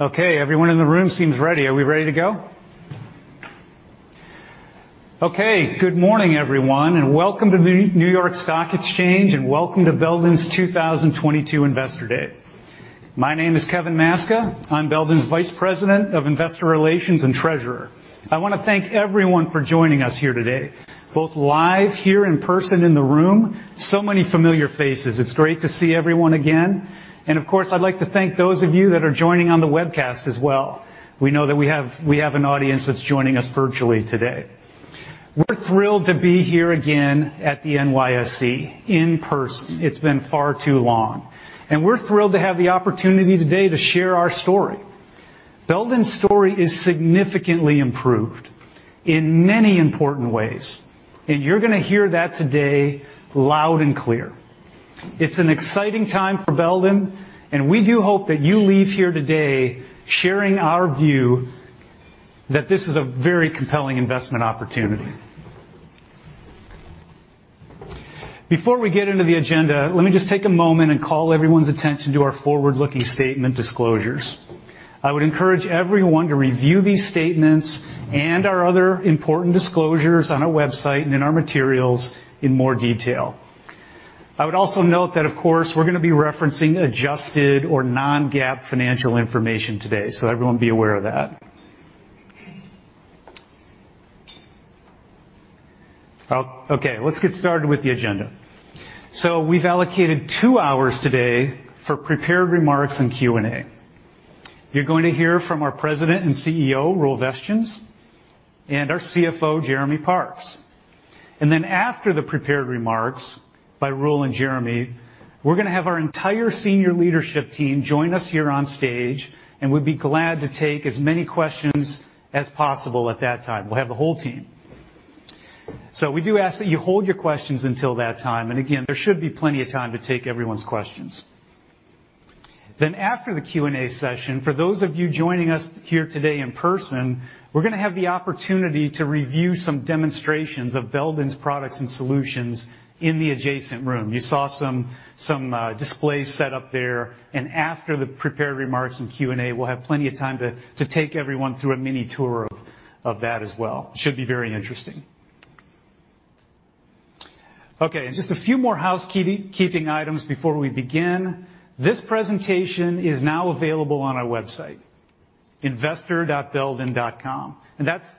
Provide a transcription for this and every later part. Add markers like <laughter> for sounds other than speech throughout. Okay, everyone in the room seems ready. Are we ready to go? Okay. Good morning, everyone, and welcome to the New York Stock Exchange, and welcome to Belden's 2022 Investor Day. My name is Kevin Maczka. I'm Belden's Vice President of Investor Relations and Treasurer. I wanna thank everyone for joining us here today, both live here in person in the room. So many familiar faces. It's great to see everyone again. Of course, I'd like to thank those of you that are joining on the webcast as well. We know that we have an audience that's joining us virtually today. We're thrilled to be here again at the NYSE in person. It's been far too long. We're thrilled to have the opportunity today to share our story. Belden's story is significantly improved in many important ways, and you're gonna hear that today loud and clear. It's an exciting time for Belden, and we do hope that you leave here today sharing our view that this is a very compelling investment opportunity. Before we get into the agenda, let me just take a moment and call everyone's attention to our forward-looking statement disclosures. I would encourage everyone to review these statements and our other important disclosures on our website and in our materials in more detail. I would also note that, of course, we're gonna be referencing adjusted or non-GAAP financial information today, so everyone be aware of that. Okay, let's get started with the agenda. We've allocated 2 hours today for prepared remarks and Q&A. You're going to hear from our president and CEO, Roel Vestjens, and our CFO, Jeremy Parks. After the prepared remarks by Roel and Jeremy, we're gonna have our entire senior leadership team join us here on stage, and we'd be glad to take as many questions as possible at that time. We'll have the whole team. We do ask that you hold your questions until that time, and again, there should be plenty of time to take everyone's questions. After the Q&A session, for those of you joining us here today in person, we're gonna have the opportunity to review some demonstrations of Belden's products and solutions in the adjacent room. You saw some displays set up there, and after the prepared remarks and Q&A, we'll have plenty of time to take everyone through a mini tour of that as well. Should be very interesting. Okay, just a few more housekeeping items before we begin. This presentation is now available on our website, investor.belden.com.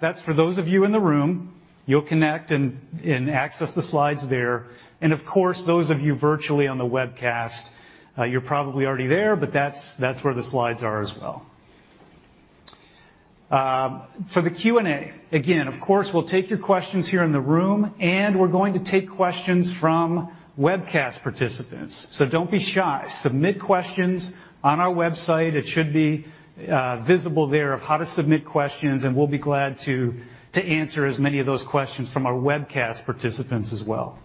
That's for those of you in the room. You'll connect and access the slides there. Of course, those of you virtually on the webcast, you're probably already there, but that's where the slides are as well. For the Q&A, again, of course, we'll take your questions here in the room, and we're going to take questions from webcast participants. Don't be shy. Submit questions on our website. It should be visible there of how to submit questions, and we'll be glad to answer as many of those questions from our webcast participants as well.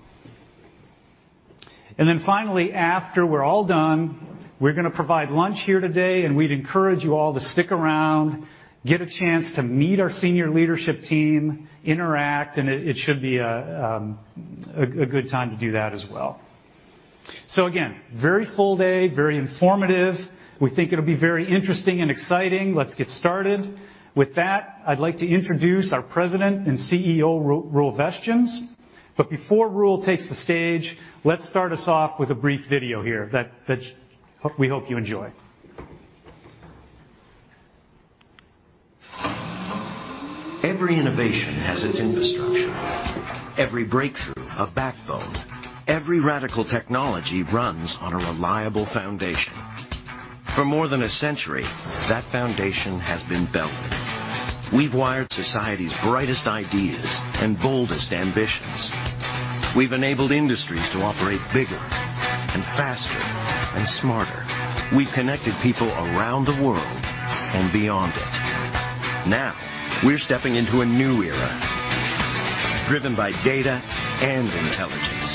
Then finally, after we're all done, we're gonna provide lunch here today, and we'd encourage you all to stick around, get a chance to meet our senior leadership team, interact, and it should be a good time to do that as well. Again, very full day, very informative. We think it'll be very interesting and exciting. Let's get started. With that, I'd like to introduce our president and CEO, Roel Vestjens. Before Roel takes the stage, let's start us off with a brief video here that we hope you enjoy. Every innovation has its infrastructure. Every breakthrough, a backbone. Every radical technology runs on a reliable foundation. For more than a century, that foundation has been Belden. We've wired society's brightest ideas and boldest ambitions. We've enabled industries to operate bigger and faster and smarter. We've connected people around the world and beyond it. Now, we're stepping into a new era, driven by data and intelligence,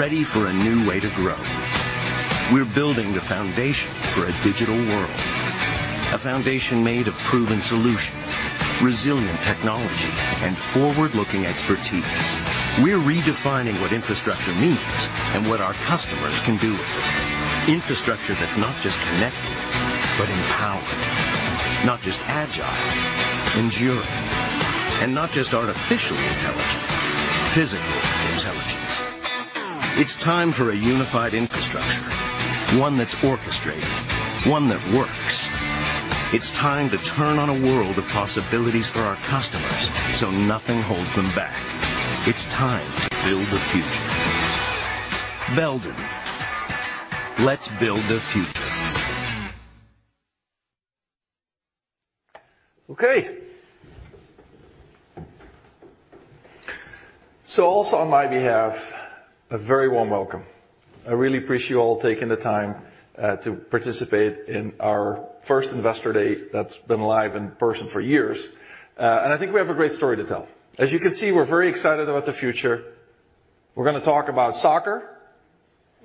ready for a new way to grow. We're building the foundation for a digital world, a foundation made of proven solutions, resilient technology, and forward-looking expertise. We're redefining what infrastructure means and what our customers can do with it. Infrastructure that's not just connected, but empowered. Not just agile, enduring. Not just artificially intelligent, physically intelligent. It's time for a unified infrastructure, one that's orchestrated, one that works. It's time to turn on a world of possibilities for our customers so nothing holds them back. It's time to build the future. Belden. Let's build the future. Okay. Also on my behalf, a very warm welcome. I really appreciate you all taking the time to participate in our first Investor Day that's been live in person for years. I think we have a great story to tell. As you can see, we're very excited about the future. We're gonna talk about soccer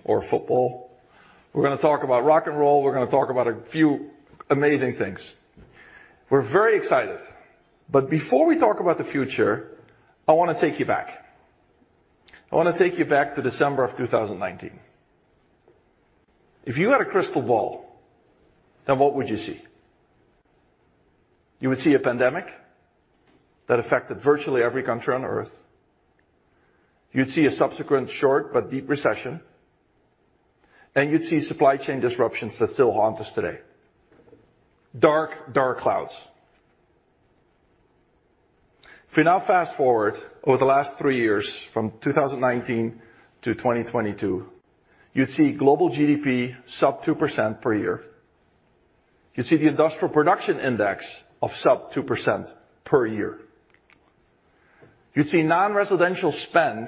or football. We're gonna talk about rock and roll. We're gonna talk about a few amazing things. We're very excited. Before we talk about the future, I wanna take you back. I wanna take you back to December of 2019. If you had a crystal ball, then what would you see? You would see a pandemic that affected virtually every country on earth. You'd see a subsequent short but deep recession, and you'd see supply chain disruptions that still haunt us today. Dark clouds. If we now fast-forward over the last 3 years from 2019 to 2022, you'd see global GDP sub 2% per year. You'd see the industrial production index of sub 2% per year. You'd see non-residential spend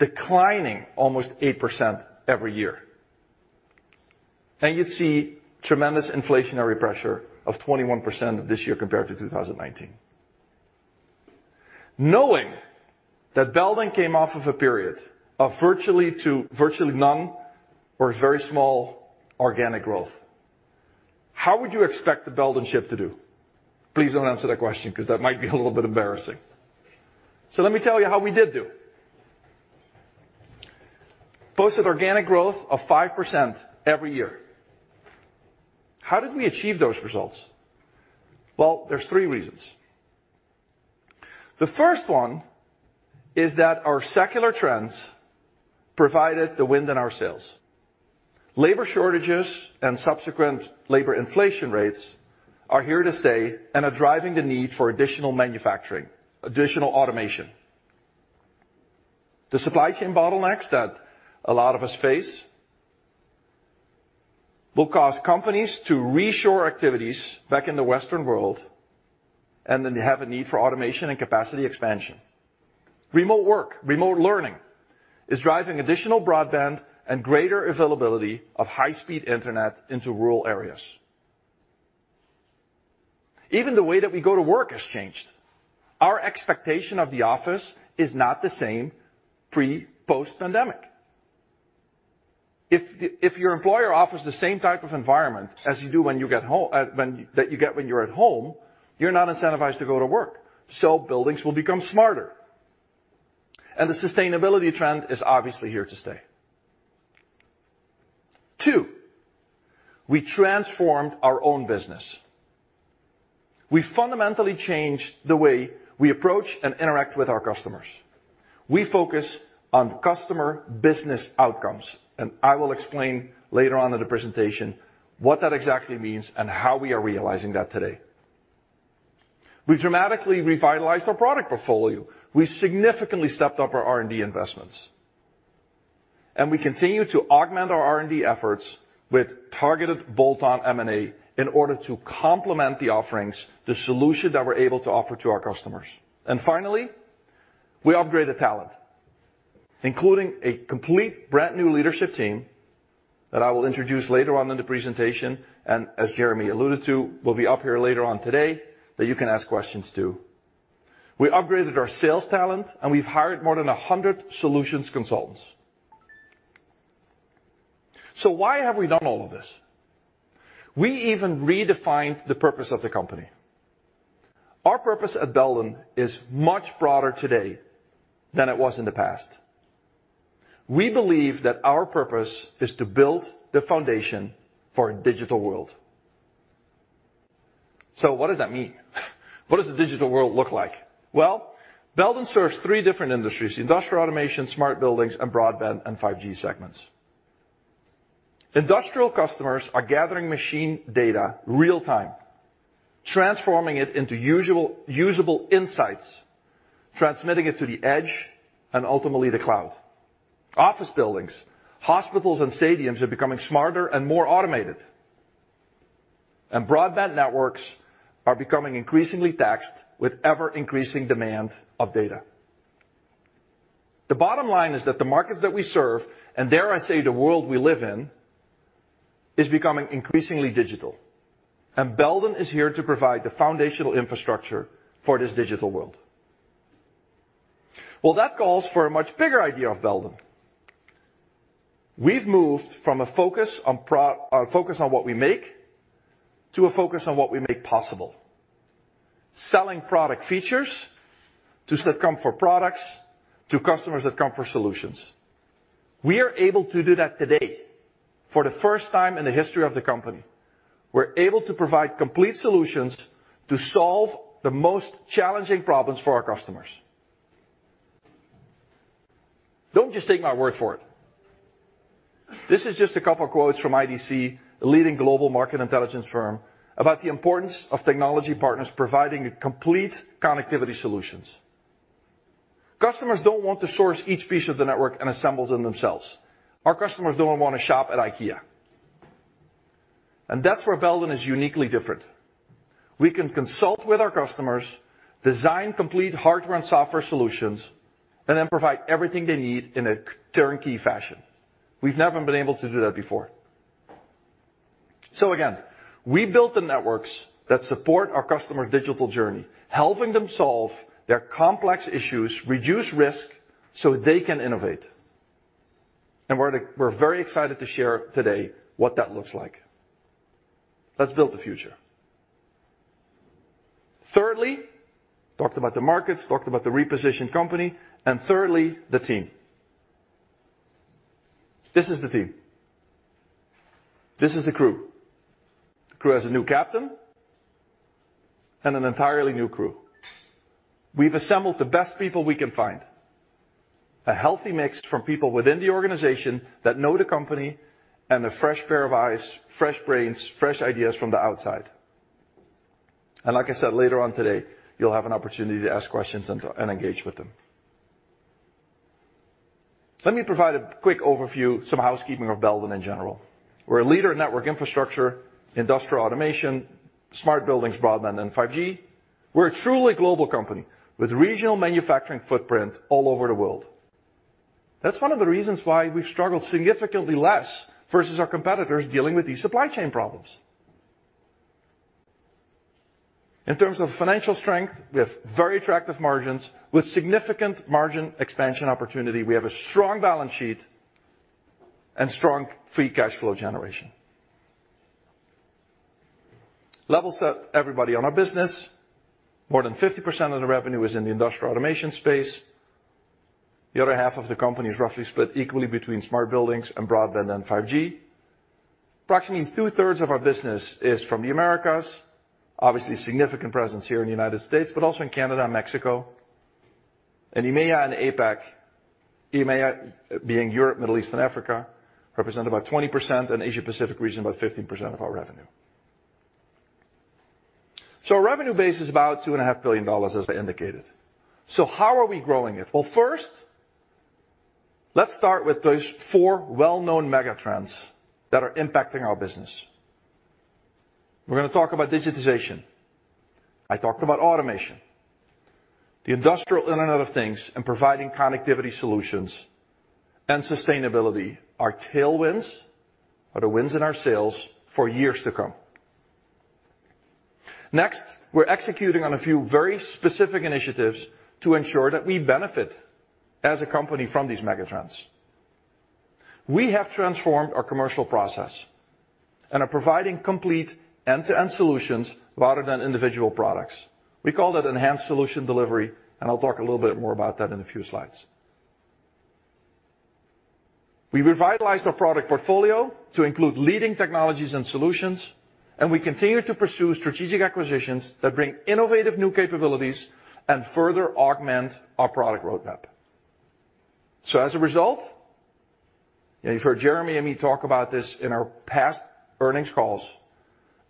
declining almost 8% every year. You'd see tremendous inflationary pressure of 21% this year compared to 2019. Knowing that Belden came off of a period of virtually none or very small organic growth, how would you expect the Belden ship to do? Please don't answer that question 'cause that might be a little bit embarrassing. Let me tell you how we did do. Posted organic growth of 5% every year. How did we achieve those results? Well, there's three reasons. The first one is that our secular trends provided the wind in our sails. Labor shortages and subsequent labor inflation rates are here to stay and are driving the need for additional manufacturing, additional automation. The supply chain bottlenecks that a lot of us face will cause companies to reshore activities back in the Western world, and then they have a need for automation and capacity expansion. Remote work, remote learning is driving additional broadband and greater availability of high-speed internet into rural areas. Even the way that we go to work has changed. Our expectation of the office is not the same pre, post-pandemic. If your employer offers the same type of environment that you get when you're at home, you're not incentivized to go to work, so buildings will become smarter. The sustainability trend is obviously here to stay. Two, we transformed our own business. We fundamentally changed the way we approach and interact with our customers. We focus on customer business outcomes, and I will explain later on in the presentation what that exactly means and how we are realizing that today. We dramatically revitalized our product portfolio. We significantly stepped up our R&D investments. We continue to augment our R&D efforts with targeted bolt-on M&A in order to complement the offerings, the solution that we're able to offer to our customers. Finally, we upgraded talent, including a complete brand-new leadership team that I will introduce later on in the presentation, and as Jeremy alluded to, will be up here later on today that you can ask questions to. We upgraded our sales talent, and we've hired more than 100 solutions consultants. Why have we done all of this? We even redefined the purpose of the company. Our purpose at Belden is much broader today than it was in the past. We believe that our purpose is to build the foundation for a digital world. What does that mean? What does a digital world look like? Well, Belden serves three different industries, industrial automation, smart buildings, and broadband and 5G segments. Industrial customers are gathering machine data real-time, transforming it into usable insights, transmitting it to the edge and ultimately the cloud. Office buildings, hospitals, and stadiums are becoming smarter and more automated. Broadband networks are becoming increasingly taxed with ever-increasing demand for data. The bottom line is that the markets that we serve, and dare I say the world we live in, is becoming increasingly digital, and Belden is here to provide the foundational infrastructure for this digital world. Well, that calls for a much bigger idea of Belden. We've moved from a focus on what we make to a focus on what we make possible. Selling product features to simple commodity products, to customers that come for solutions. We are able to do that today for the first time in the history of the company. We're able to provide complete solutions to solve the most challenging problems for our customers. Don't just take my word for it. This is just a couple quotes from IDC, a leading global market intelligence firm, about the importance of technology partners providing complete connectivity solutions. Customers don't want to source each piece of the network and assemble them themselves. Our customers don't wanna shop at IKEA. That's where Belden is uniquely different. We can consult with our customers, design complete hardware and software solutions, and then provide everything they need in a turnkey fashion. We've never been able to do that before. Again, we built the networks that support our customers' digital journey, helping them solve their complex issues, reduce risk so they can innovate. We're like, we're very excited to share today what that looks like. Let's build the future. Secondly, talked about the markets, talked about the repositioned company, and thirdly, the team. This is the team. This is the crew. The crew has a new captain and an entirely new crew. We've assembled the best people we can find. A healthy mix from people within the organization that know the company, and a fresh pair of eyes, fresh brains, fresh ideas from the outside. Like I said, later on today, you'll have an opportunity to ask questions and engage with them. Let me provide a quick overview, some housekeeping of Belden in general. We're a leader in network infrastructure, industrial automation, smart buildings, broadband, and 5G. We're a truly global company with regional manufacturing footprint all over the world. That's one of the reasons why we've struggled significantly less versus our competitors dealing with these supply chain problems. In terms of financial strength, we have very attractive margins with significant margin expansion opportunity. We have a strong balance sheet and strong free cash flow generation. Level set everybody on our business. More than 50% of the revenue is in the industrial automation space. The other half of the company is roughly split equally between smart buildings and broadband and 5G. Approximately two-thirds of our business is from the Americas. Obviously, significant presence here in the United States, but also in Canada and Mexico. EMEA and APAC, EMEA being Europe, Middle East, and Africa, represent about 20%, and Asia Pacific region, about 15% of our revenue. Our revenue base is about $2.5 billion, as I indicated. How are we growing it? Well, first, let's start with those four well-known mega trends that are impacting our business. We're gonna talk about digitization. I talked about automation. The Industrial Internet of Things and providing connectivity solutions and sustainability are tailwinds or the winds in our sails for years to come. Next, we're executing on a few very specific initiatives to ensure that we benefit as a company from these mega trends. We have transformed our commercial process and are providing complete end-to-end solutions rather than individual products. We call it enhanced solution delivery, and I'll talk a little bit more about that in a few slides. We revitalized our product portfolio to include leading technologies and solutions, and we continue to pursue strategic acquisitions that bring innovative new capabilities and further augment our product roadmap. As a result, you've heard Jeremy and me talk about this in our past earnings calls,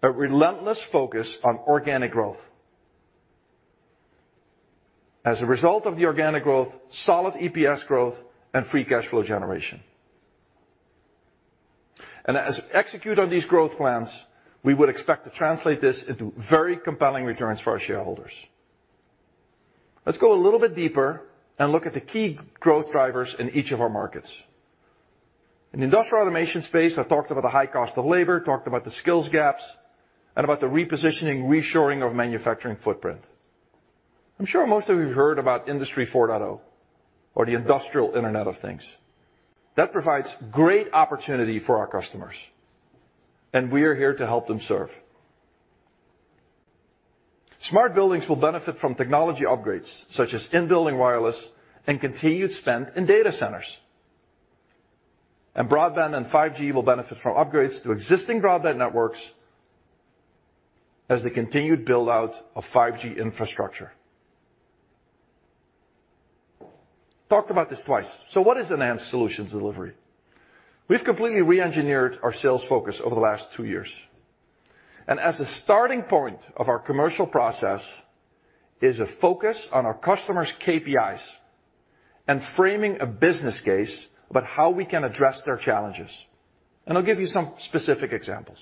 a relentless focus on organic growth. As a result of the organic growth, solid EPS growth, and free cash flow generation. As we execute on these growth plans, we would expect to translate this into very compelling returns for our shareholders. Let's go a little bit deeper and look at the key growth drivers in each of our markets. In industrial automation space, I talked about the high cost of labor, talked about the skills gaps, and about the repositioning, reshoring of manufacturing footprint. I'm sure most of you have heard about Industry 4.0 or the industrial Internet of Things. That provides great opportunity for our customers, and we are here to help them succeed. Smart buildings will benefit from technology upgrades, such as in-building wireless and continued spending in data centers. Broadband and 5G will benefit from upgrades to existing broadband networks and the continued build-out of 5G infrastructure. Talked about this twice. What is enhanced solutions delivery? We've completely reengineered our sales focus over the last 2 years. As a starting point of our commercial process is a focus on our customers' KPIs and framing a business case about how we can address their challenges. I'll give you some specific examples.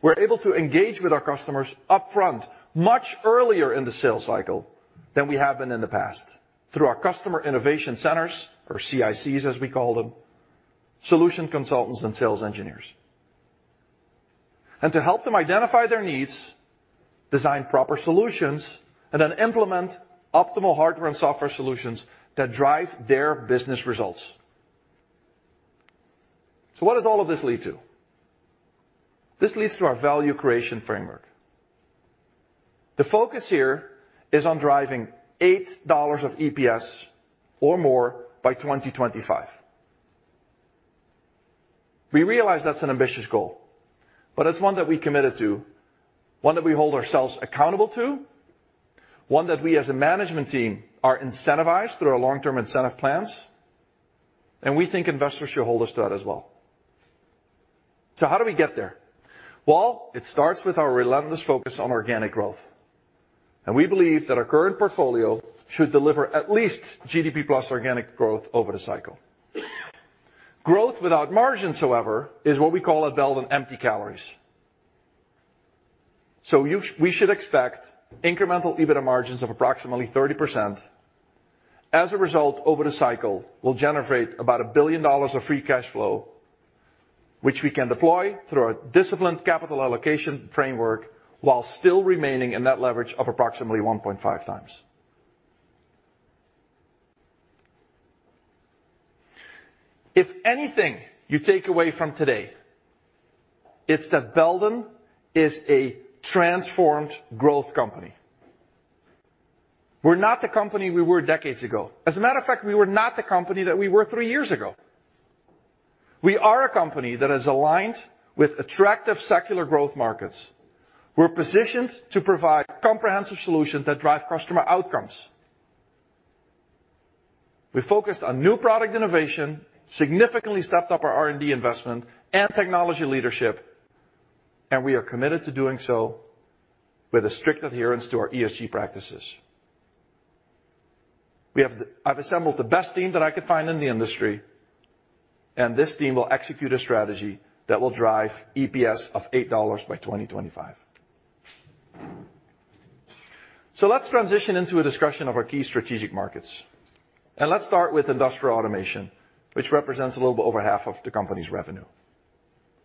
We're able to engage with our customers upfront much earlier in the sales cycle than we have been in the past through our Customer Innovation Centers, or CICs, as we call them, solution consultants and sales engineers. To help them identify their needs, design proper solutions, and then implement optimal hardware and software solutions that drive their business results. What does all of this lead to? This leads to our value creation framework. The focus here is on driving $8 of EPS or more by 2025. We realize that's an ambitious goal, but it's one that we committed to, one that we hold ourselves accountable to, one that we as a management team are incentivized through our long-term incentive plans, and we think investors should hold us to that as well. How do we get there? Well, it starts with our relentless focus on organic growth. We believe that our current portfolio should deliver at least GDP plus organic growth over the cycle. Growth without margins, however, is what we call at Belden empty calories. We should expect incremental EBITDA margins of approximately 30%. As a result, over the cycle, we'll generate about $1 billion of free cash flow, which we can deploy through our disciplined capital allocation framework while still remaining a net leverage of approximately 1.5 times. If anything you take away from today, it's that Belden is a transformed growth company. We're not the company we were decades ago. As a matter of fact, we were not the company that we were three years ago. We are a company that is aligned with attractive secular growth markets. We're positioned to provide comprehensive solutions that drive customer outcomes. We focused on new product innovation, significantly stepped up our R&D investment and technology leadership, and we are committed to doing so with a strict adherence to our ESG practices. I've assembled the best team that I could find in the industry, and this team will execute a strategy that will drive EPS of $8 by 2025. Let's transition into a discussion of our key strategic markets, and let's start with industrial automation, which represents a little bit over half of the company's revenue.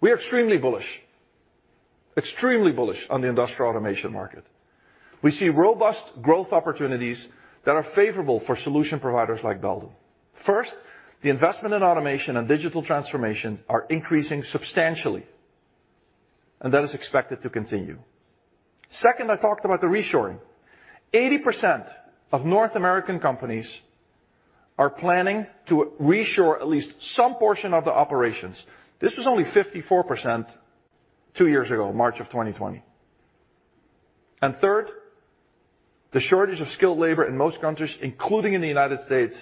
We're extremely bullish on the industrial automation market. We see robust growth opportunities that are favorable for solution providers like Belden. First, the investment in automation and digital transformation are increasing substantially, and that is expected to continue. Second, I talked about the reshoring. 80% of North American companies are planning to reshore at least some portion of the operations. This was only 54% two years ago, March of 2020. Third, the shortage of skilled labor in most countries, including in the United States,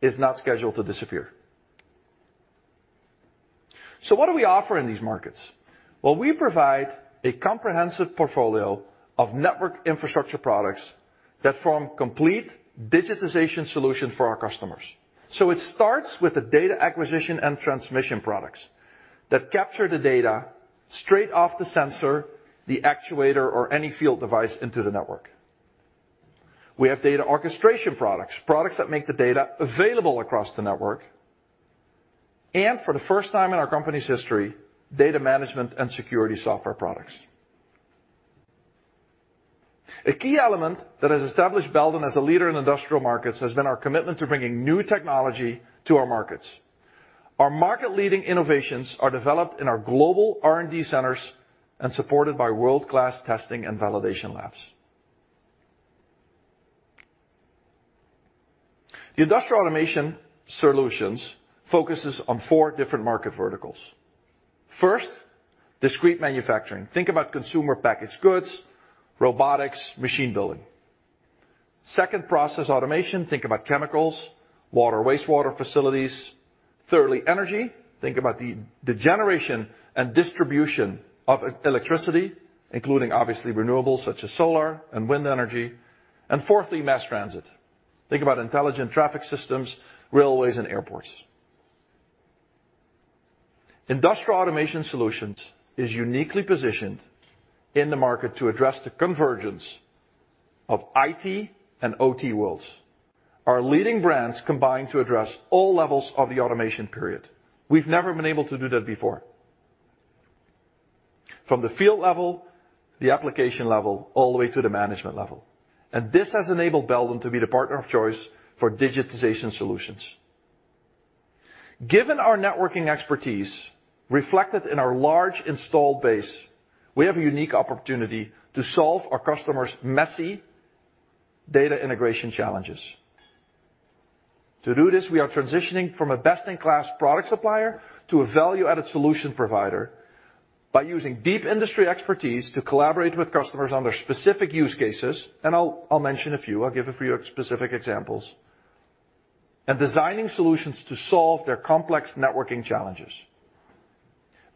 is not scheduled to disappear. What do we offer in these markets? Well, we provide a comprehensive portfolio of network infrastructure products that form complete digitization solution for our customers. It starts with the data acquisition and transmission products that capture the data straight off the sensor, the actuator, or any field device into the network. We have data orchestration products that make the data available across the network. For the first time in our company's history, data management and security software products. A key element that has established Belden as a leader in industrial markets has been our commitment to bringing new technology to our markets. Our market-leading innovations are developed in our global R&D centers and supported by world-class testing and validation labs. The industrial automation solutions focuses on four different market verticals. First, discrete manufacturing. Think about consumer packaged goods, robotics, machine building. Second, process automation. Think about chemicals, water, wastewater facilities. Thirdly, energy. Think about the generation and distribution of electricity, including obviously renewables such as solar and wind energy. Fourthly, mass transit. Think about intelligent traffic systems, railways, and airports. Industrial automation solutions is uniquely positioned in the market to address the convergence of IT and OT worlds. Our leading brands combine to address all levels of the automation pyramid. We've never been able to do that before. From the field level, the application level, all the way to the management level. This has enabled Belden to be the partner of choice for digitization solutions. Given our networking expertise reflected in our large installed base, we have a unique opportunity to solve our customers' messy data integration challenges. To do this, we are transitioning from a best-in-class product supplier to a value-added solution provider by using deep industry expertise to collaborate with customers on their specific use cases, and I'll give a few specific examples, and designing solutions to solve their complex networking challenges.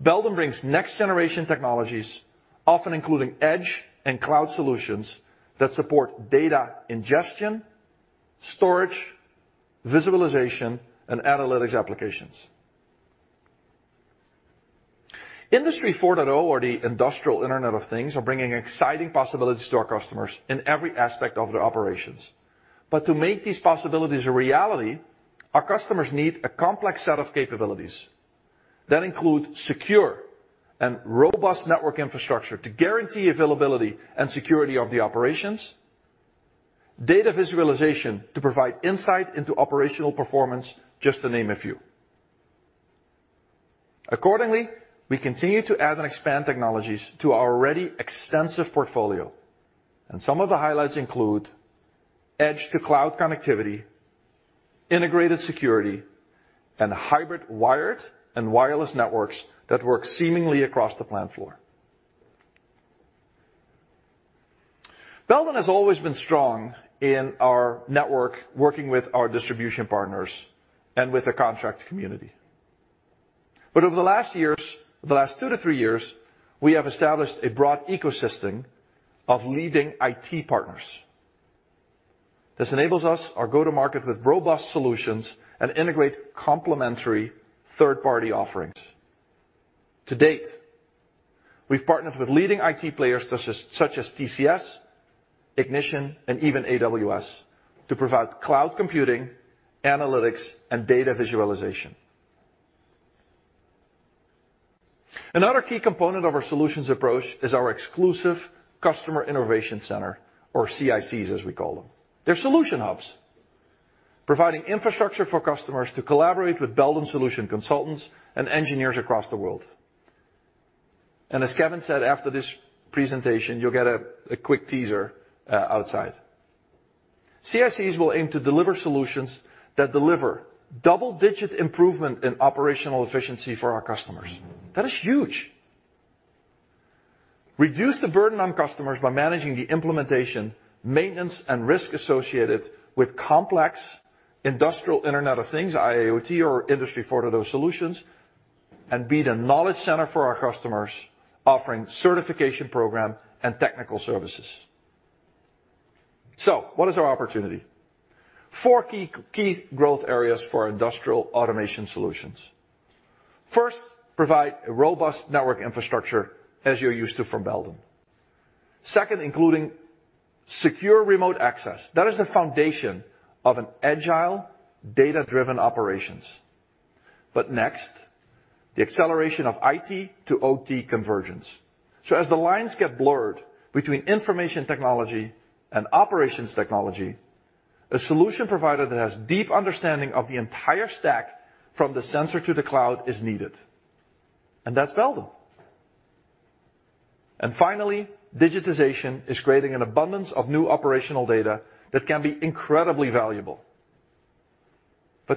Belden brings next-generation technologies, often including edge and cloud solutions that support data ingestion, storage, visualization, and analytics applications. Industry 4.0 or the Industrial Internet of Things are bringing exciting possibilities to our customers in every aspect of their operations. To make these possibilities a reality, our customers need a complex set of capabilities that include secure and robust network infrastructure to guarantee availability and security of the operations, data visualization to provide insight into operational performance, just to name a few. Accordingly, we continue to add and expand technologies to our already extensive portfolio, and some of the highlights include edge-to-cloud connectivity, integrated security, and hybrid wired and wireless networks that work seamlessly across the plant floor. Belden has always been strong in our network, working with our distribution partners and with the contract community. Over the last years, the last 2-3 years, we have established a broad ecosystem of leading IT partners. This enables us our go-to-market with robust solutions and integrate complementary third-party offerings. To date, we've partnered with leading IT players such as TCS, Ignition, and even AWS to provide cloud computing, analytics, and data visualization. Another key component of our solutions approach is our exclusive customer innovation center or CICs as we call them. They're solution hubs providing infrastructure for customers to collaborate with Belden solution consultants and engineers across the world. As Kevin said, after this presentation, you'll get a quick teaser outside. CICs will aim to deliver solutions that deliver double-digit improvement in operational efficiency for our customers. That is huge. Reduce the burden on customers by managing the implementation, maintenance, and risk associated with complex industrial Internet of Things, IIoT or Industry 4.0 solutions, and be the knowledge center for our customers offering certification program and technical services. What is our opportunity? Four key growth areas for our industrial automation solutions. First, provide a robust network infrastructure as you're used to from Belden. Second, including secure remote access. That is the foundation of an agile, data-driven operations. Next, the acceleration of IT to OT convergence. So as the lines get blurred between information technology and operations technology, a solution provider that has deep understanding of the entire stack from the sensor to the cloud is needed, and that's Belden. Finally, digitization is creating an abundance of new operational data that can be incredibly valuable.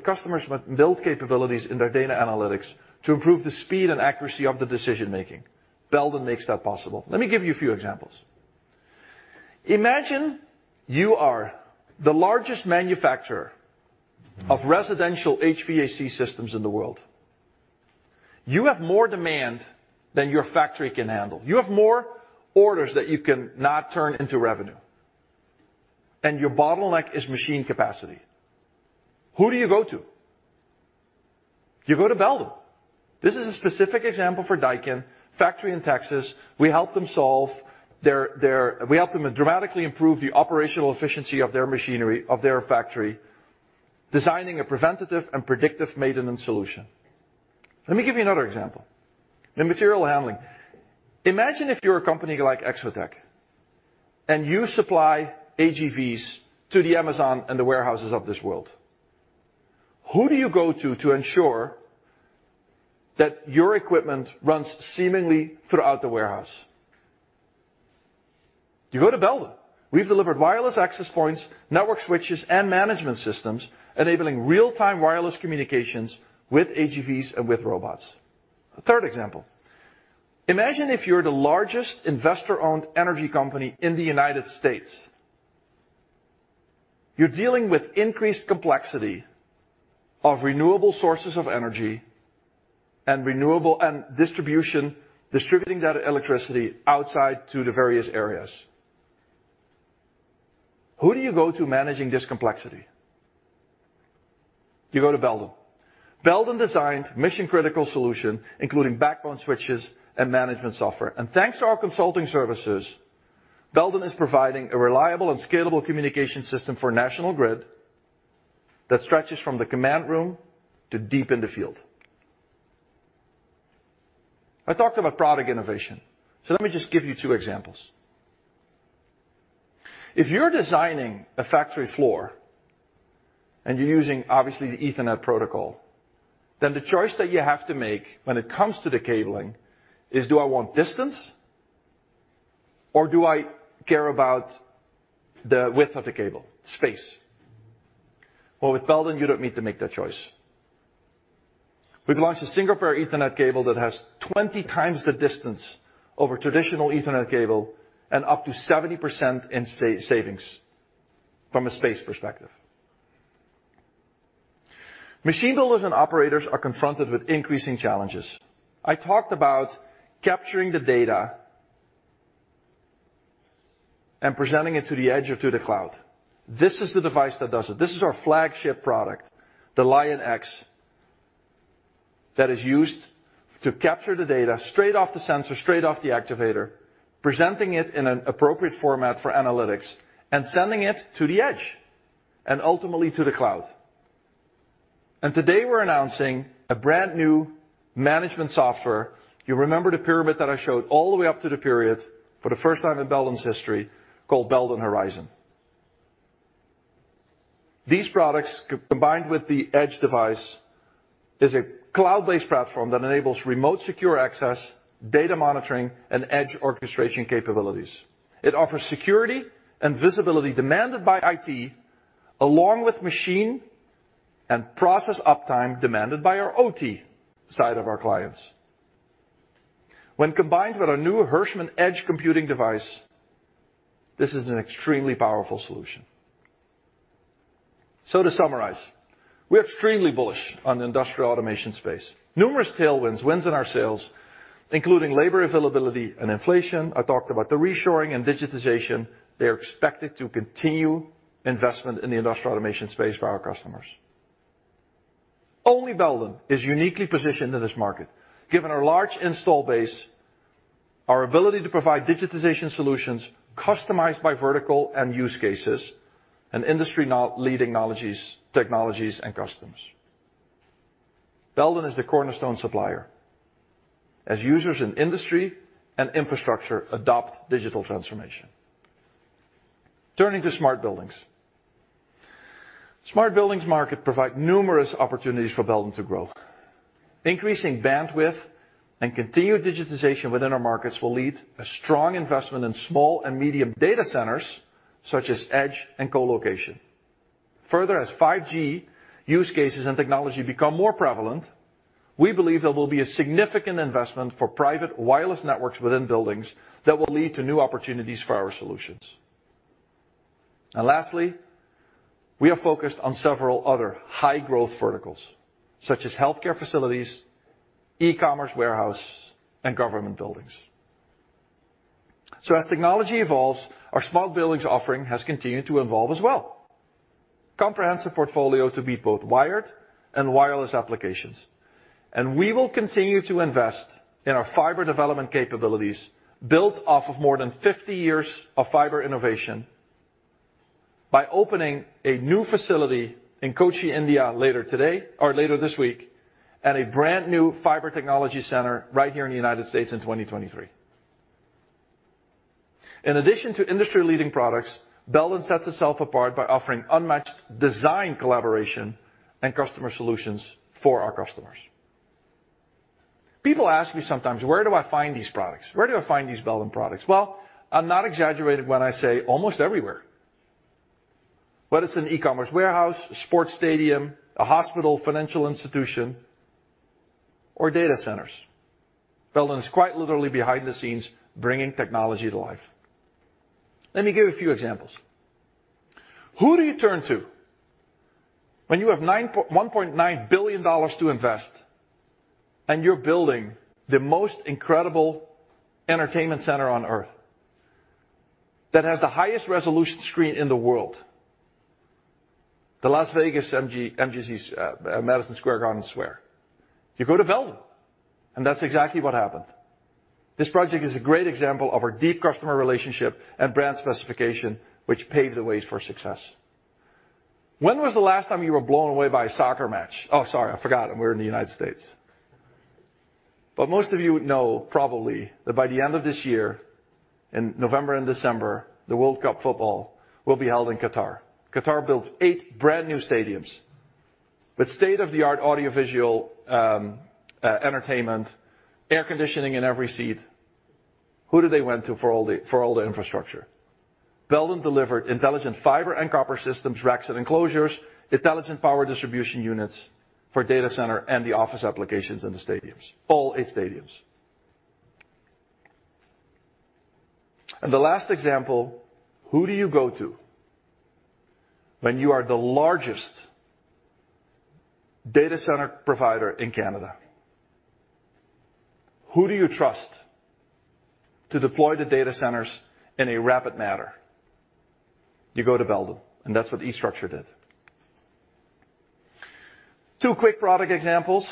Customers must build capabilities in their data analytics to improve the speed and accuracy of the decision-making. Belden makes that possible. Let me give you a few examples. Imagine you are the largest manufacturer of residential HVAC systems in the world. You have more demand than your factory can handle. You have more orders that you cannot turn into revenue, and your bottleneck is machine capacity. Who do you go to? You go to Belden. This is a specific example for Daikin factory in Texas. We helped them dramatically improve the operational efficiency of their machinery, of their factory, designing a preventative and predictive maintenance solution. Let me give you another example. In material handling, imagine if you're a company like Exotec and you supply AGVs to Amazon and the warehouses of this world. Who do you go to to ensure that your equipment runs seamlessly throughout the warehouse? You go to Belden. We've delivered wireless access points, network switches, and management systems enabling real-time wireless communications with AGVs and with robots. A third example, imagine if you're the largest investor-owned energy company in the United States. You're dealing with increased complexity of renewable sources of energy and renewable and distribution, distributing that electricity outside to the various areas. Who do you go to managing this complexity? You go to Belden. Belden designed mission-critical solution, including backbone switches and management software. Thanks to our consulting services, Belden is providing a reliable and scalable communication system for National Grid that stretches from the command room to deep in the field. I talked about product innovation, so let me just give you two examples. If you're designing a factory floor and you're using obviously the Ethernet protocol, then the choice that you have to make when it comes to the cabling is do I want distance or do I care about the width of the cable, space? Well, with Belden, you don't need to make that choice. We've launched a Single-Pair Ethernet cable that has 20 times the distance over traditional Ethernet cable and up to 70% in space savings from a space perspective. Machine builders and operators are confronted with increasing challenges. I talked about capturing the data and presenting it to the edge or to the cloud. This is the device that does it. This is our flagship product, the LioN-X, that is used to capture the data straight off the sensor, straight off the actuator, presenting it in an appropriate format for analytics and sending it to the edge and ultimately to the cloud. Today, we're announcing a brand-new management software. You remember the pyramid that I showed all the way up to the enterprise for the first time in Belden's history called Belden Horizon. These products combined with the edge device is a cloud-based platform that enables remote secure access, data monitoring, and edge orchestration capabilities. It offers security and visibility demanded by IT along with machine and process uptime demanded by our OT side of our clients. When combined with our new Hirschmann edge computing device, this is an extremely powerful solution. To summarize, we're extremely bullish on industrial automation space. Numerous tailwinds, winds in our sails, including labor availability and inflation. I talked about the reshoring and digitization. They are expected to continue investment in the industrial automation space for our customers. Only Belden is uniquely positioned in this market given our large installed base. Our ability to provide digitization solutions customized by vertical and use cases, and industry-leading knowledge, technologies, and customer. Belden is the cornerstone supplier as users in industry and infrastructure adopt digital transformation. Turning to smart buildings. Smart buildings market provide numerous opportunities for Belden to grow. Increasing bandwidth and continued digitization within our markets will lead to a strong investment in small and medium data centers, such as edge and co-location. Further, as 5G use cases and technology become more prevalent, we believe there will be a significant investment for private wireless networks within buildings that will lead to new opportunities for our solutions. Lastly, we are focused on several other high-growth verticals, such as healthcare facilities, e-commerce warehouse, and government buildings. As technology evolves, our smart buildings offering has continued to evolve as well. Comprehensive portfolio to be both wired and wireless applications, and we will continue to invest in our fiber development capabilities built off of more than 50 years of fiber innovation by opening a new facility in Kochi, India, later today or later this week, and a brand-new fiber technology center right here in the United States in 2023. In addition to industry-leading products, Belden sets itself apart by offering unmatched design collaboration and customer solutions for our customers. People ask me sometimes, "Where do I find these products? Where do I find these Belden products?" Well, I'm not exaggerating when I say almost everywhere. Whether it's an e-commerce warehouse, a sports stadium, a hospital, financial institution, or data centers, Belden is quite literally behind the scenes, bringing technology to life. Let me give a few examples. Who do you turn to when you have $1.9 billion to invest and you're building the most incredible entertainment center on Earth, that has the highest resolution screen in the world? The Las Vegas Sphere. You go to Belden, and that's exactly what happened. This project is a great example of our deep customer relationship and brand specification, which paved the way for success. When was the last time you were blown away by a soccer match? Oh, sorry, I forgot we're in the United States. Most of you would know probably that by the end of this year, in November and December, the World Cup football will be held in Qatar. Qatar built eight brand-new stadiums with state-of-the-art audiovisual entertainment, air conditioning in every seat. Who do they go to for all the infrastructure? Belden delivered intelligent fiber and copper systems, racks and enclosures, intelligent power distribution units for data center and the office applications in the stadiums. All 8 stadiums. The last example, who do you go to when you are the largest data center provider in Canada? Who do you trust to deploy the data centers in a rapid manner? You go to Belden, and that's what eStruxture did. 2 quick product examples.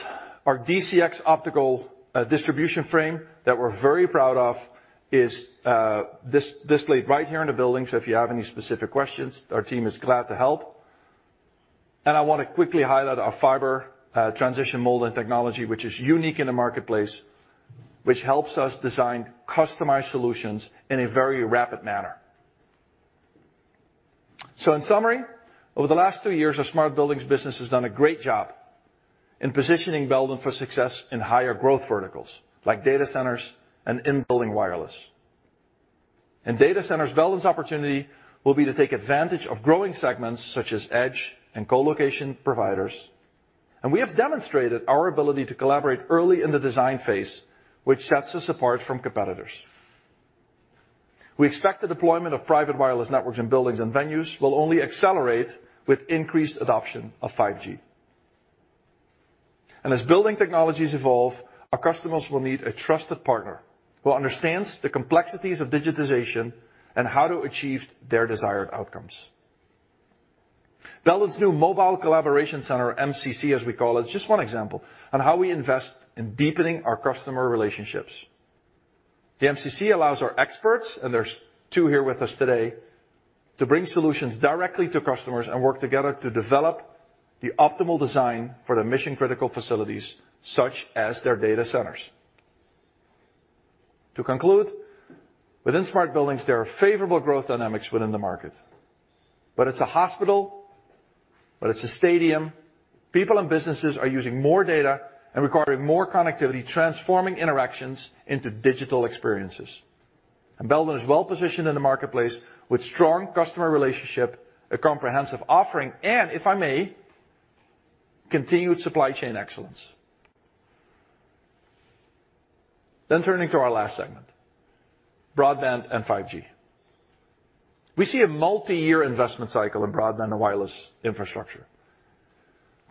Our DCX optical distribution frame that we're very proud of is displayed right here in the building, so if you have any specific questions, our team is glad to help. I wanna quickly highlight our fiber transition molding technology, which is unique in the marketplace, which helps us design customized solutions in a very rapid manner. In summary, over the last two years, our smart buildings business has done a great job in positioning Belden for success in higher growth verticals like data centers and in-building wireless. In data centers, Belden's opportunity will be to take advantage of growing segments such as edge and colocation providers, and we have demonstrated our ability to collaborate early in the design phase, which sets us apart from competitors. We expect the deployment of private wireless networks in buildings and venues will only accelerate with increased adoption of 5G. As building technologies evolve, our customers will need a trusted partner who understands the complexities of digitization and how to achieve their desired outcomes. Belden's new Mobile Collaboration Center, MCC, as we call it, is just one example of how we invest in deepening our customer relationships. The MCC allows our experts, and there's 2 here with us today, to bring solutions directly to customers and work together to develop the optimal design for their mission-critical facilities, such as their data centers. To conclude, within smart buildings, there are favorable growth dynamics within the market. It's a hospital, but it's a stadium, people and businesses are using more data and requiring more connectivity, transforming interactions into digital experiences. Belden is well-positioned in the marketplace with strong customer relationship, a comprehensive offering, and, if I may, continued supply chain excellence. Turning to our last segment, broadband and 5G. We see a multiyear investment cycle in broadband and wireless infrastructure.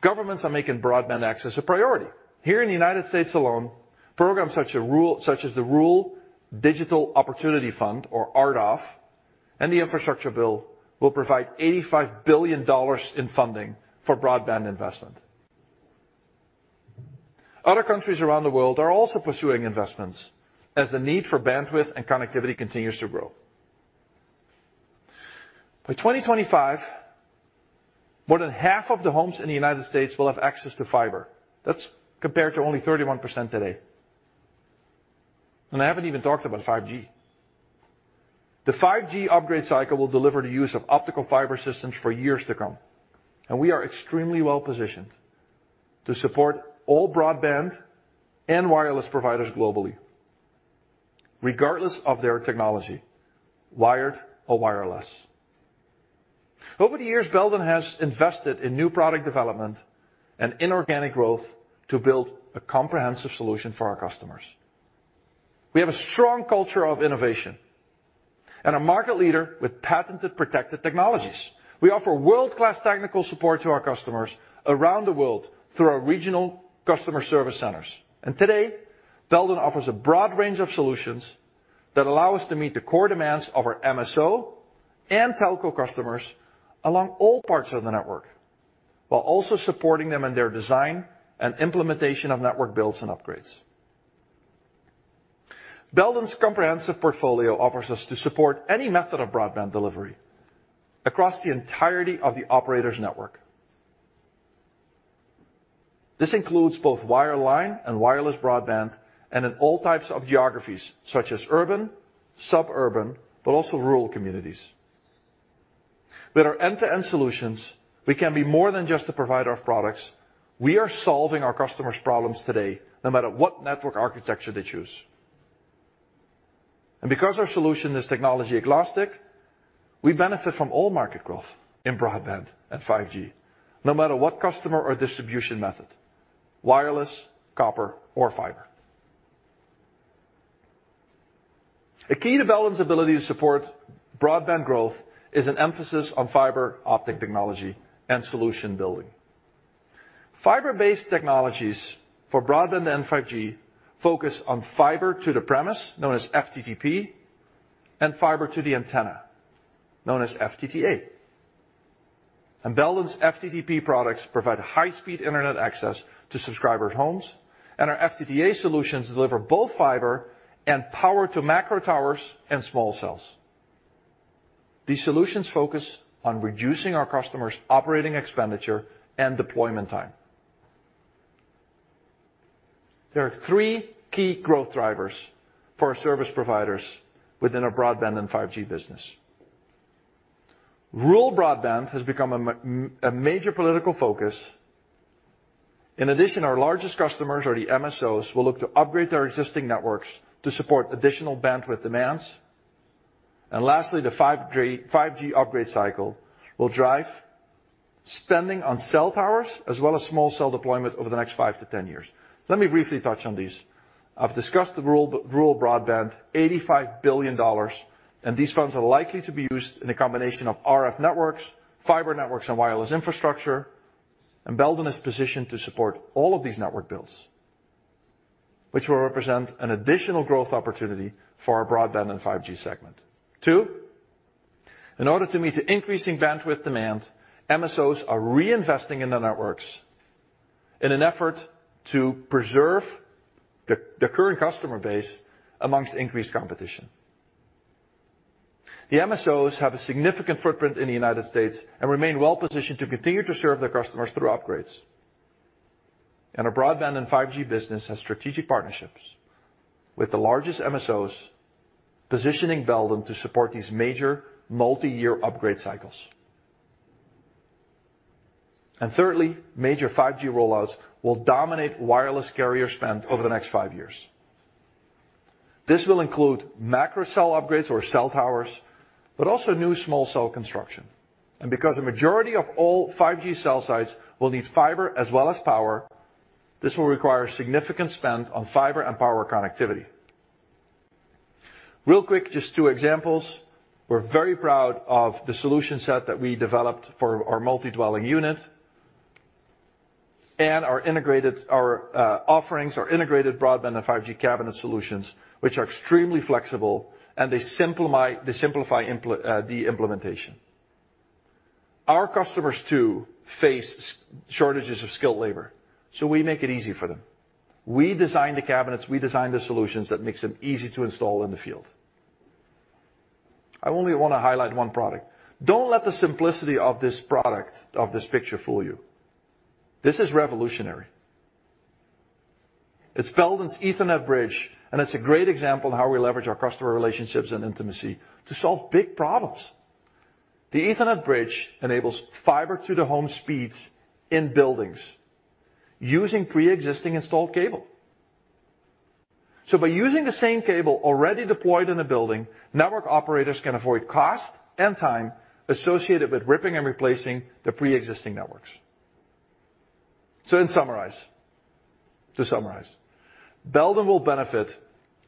Governments are making broadband access a priority. Here in the United States alone, programs such as the Rural Digital Opportunity Fund, or RDOF, and the infrastructure bill will provide $85 billion in funding for broadband investment. Other countries around the world are also pursuing investments as the need for bandwidth and connectivity continues to grow. By 2025, more than half of the homes in the United States will have access to fiber. That's compared to only 31% today. I haven't even talked about 5G. The 5G upgrade cycle will deliver the use of optical fiber systems for years to come, and we are extremely well-positioned to support all broadband and wireless providers globally, regardless of their technology, wired or wireless. Over the years, Belden has invested in new product development and inorganic growth to build a comprehensive solution for our customers. We have a strong culture of innovation and a market leader with patented, protected technologies. We offer world-class technical support to our customers around the world through our regional customer service centers. Today, Belden offers a broad range of solutions that allow us to meet the core demands of our MSO and telco customers along all parts of the network, while also supporting them in their design and implementation of network builds and upgrades. Belden's comprehensive portfolio allows us to support any method of broadband delivery across the entirety of the operator's network. This includes both wireline and wireless broadband, and in all types of geographies, such as urban, suburban, but also rural communities. With our end-to-end solutions, we can be more than just to provide our products. We are solving our customers' problems today, no matter what network architecture they choose. Because our solution is technology-agnostic, we benefit from all market growth in broadband and 5G, no matter what customer or distribution method, wireless, copper, or fiber. A key to Belden's ability to support broadband growth is an emphasis on fiber optic technology and solution building. Fiber-based technologies for broadband and 5G focus on fiber to the premise, known as FTTP, and fiber to the antenna, known as FTTA. Belden's FTTP products provide high-speed internet access to subscribers' homes, and our FTTA solutions deliver both fiber and power to macro towers and small cells. These solutions focus on reducing our customers' operating expenditure and deployment time. There are three key growth drivers for our service providers within our broadband and 5G business. Rural broadband has become a major political focus. In addition, our largest customers or the MSOs will look to upgrade their existing networks to support additional bandwidth demands. Lastly, the 5G upgrade cycle will drive spending on cell towers as well as small cell deployment over the next 5-10 years. Let me briefly touch on these. I've discussed the rural broadband, $85 billion, and these funds are likely to be used in a combination of RF networks, fiber networks, and wireless infrastructure. Belden is positioned to support all of these network builds, which will represent an additional growth opportunity for our broadband and 5G segment. Two, in order to meet the increasing bandwidth demand, MSOs are reinvesting in the networks in an effort to preserve the current customer base among increased competition. The MSOs have a significant footprint in the United States and remain well-positioned to continue to serve their customers through upgrades. Our broadband and 5G business has strategic partnerships with the largest MSOs, positioning Belden to support these major multi-year upgrade cycles. Thirdly, major 5G rollouts will dominate wireless carrier spend over the next five years. This will include macro cell upgrades or cell towers, but also new small cell construction. Because the majority of all 5G cell sites will need fiber as well as power, this will require significant spend on fiber and power connectivity. Real quick, just two examples. We're very proud of the solution set that we developed for our multi-dwelling unit and our integrated offerings, our integrated broadband and 5G cabinet solutions, which are extremely flexible and they simplify the implementation. Our customers too face shortages of skilled labor, so we make it easy for them. We design the cabinets, we design the solutions that makes them easy to install in the field. I only wanna highlight one product. Don't let the simplicity of this product, of this picture fool you. This is revolutionary. It's Belden's Ethernet Bridge, and it's a great example of how we leverage our customer relationships and intimacy to solve big problems. The Ethernet Bridge enables fiber to the home speeds in buildings using preexisting installed cable. By using the same cable already deployed in a building, network operators can avoid cost and time associated with ripping and replacing the preexisting networks. To summarize, Belden will benefit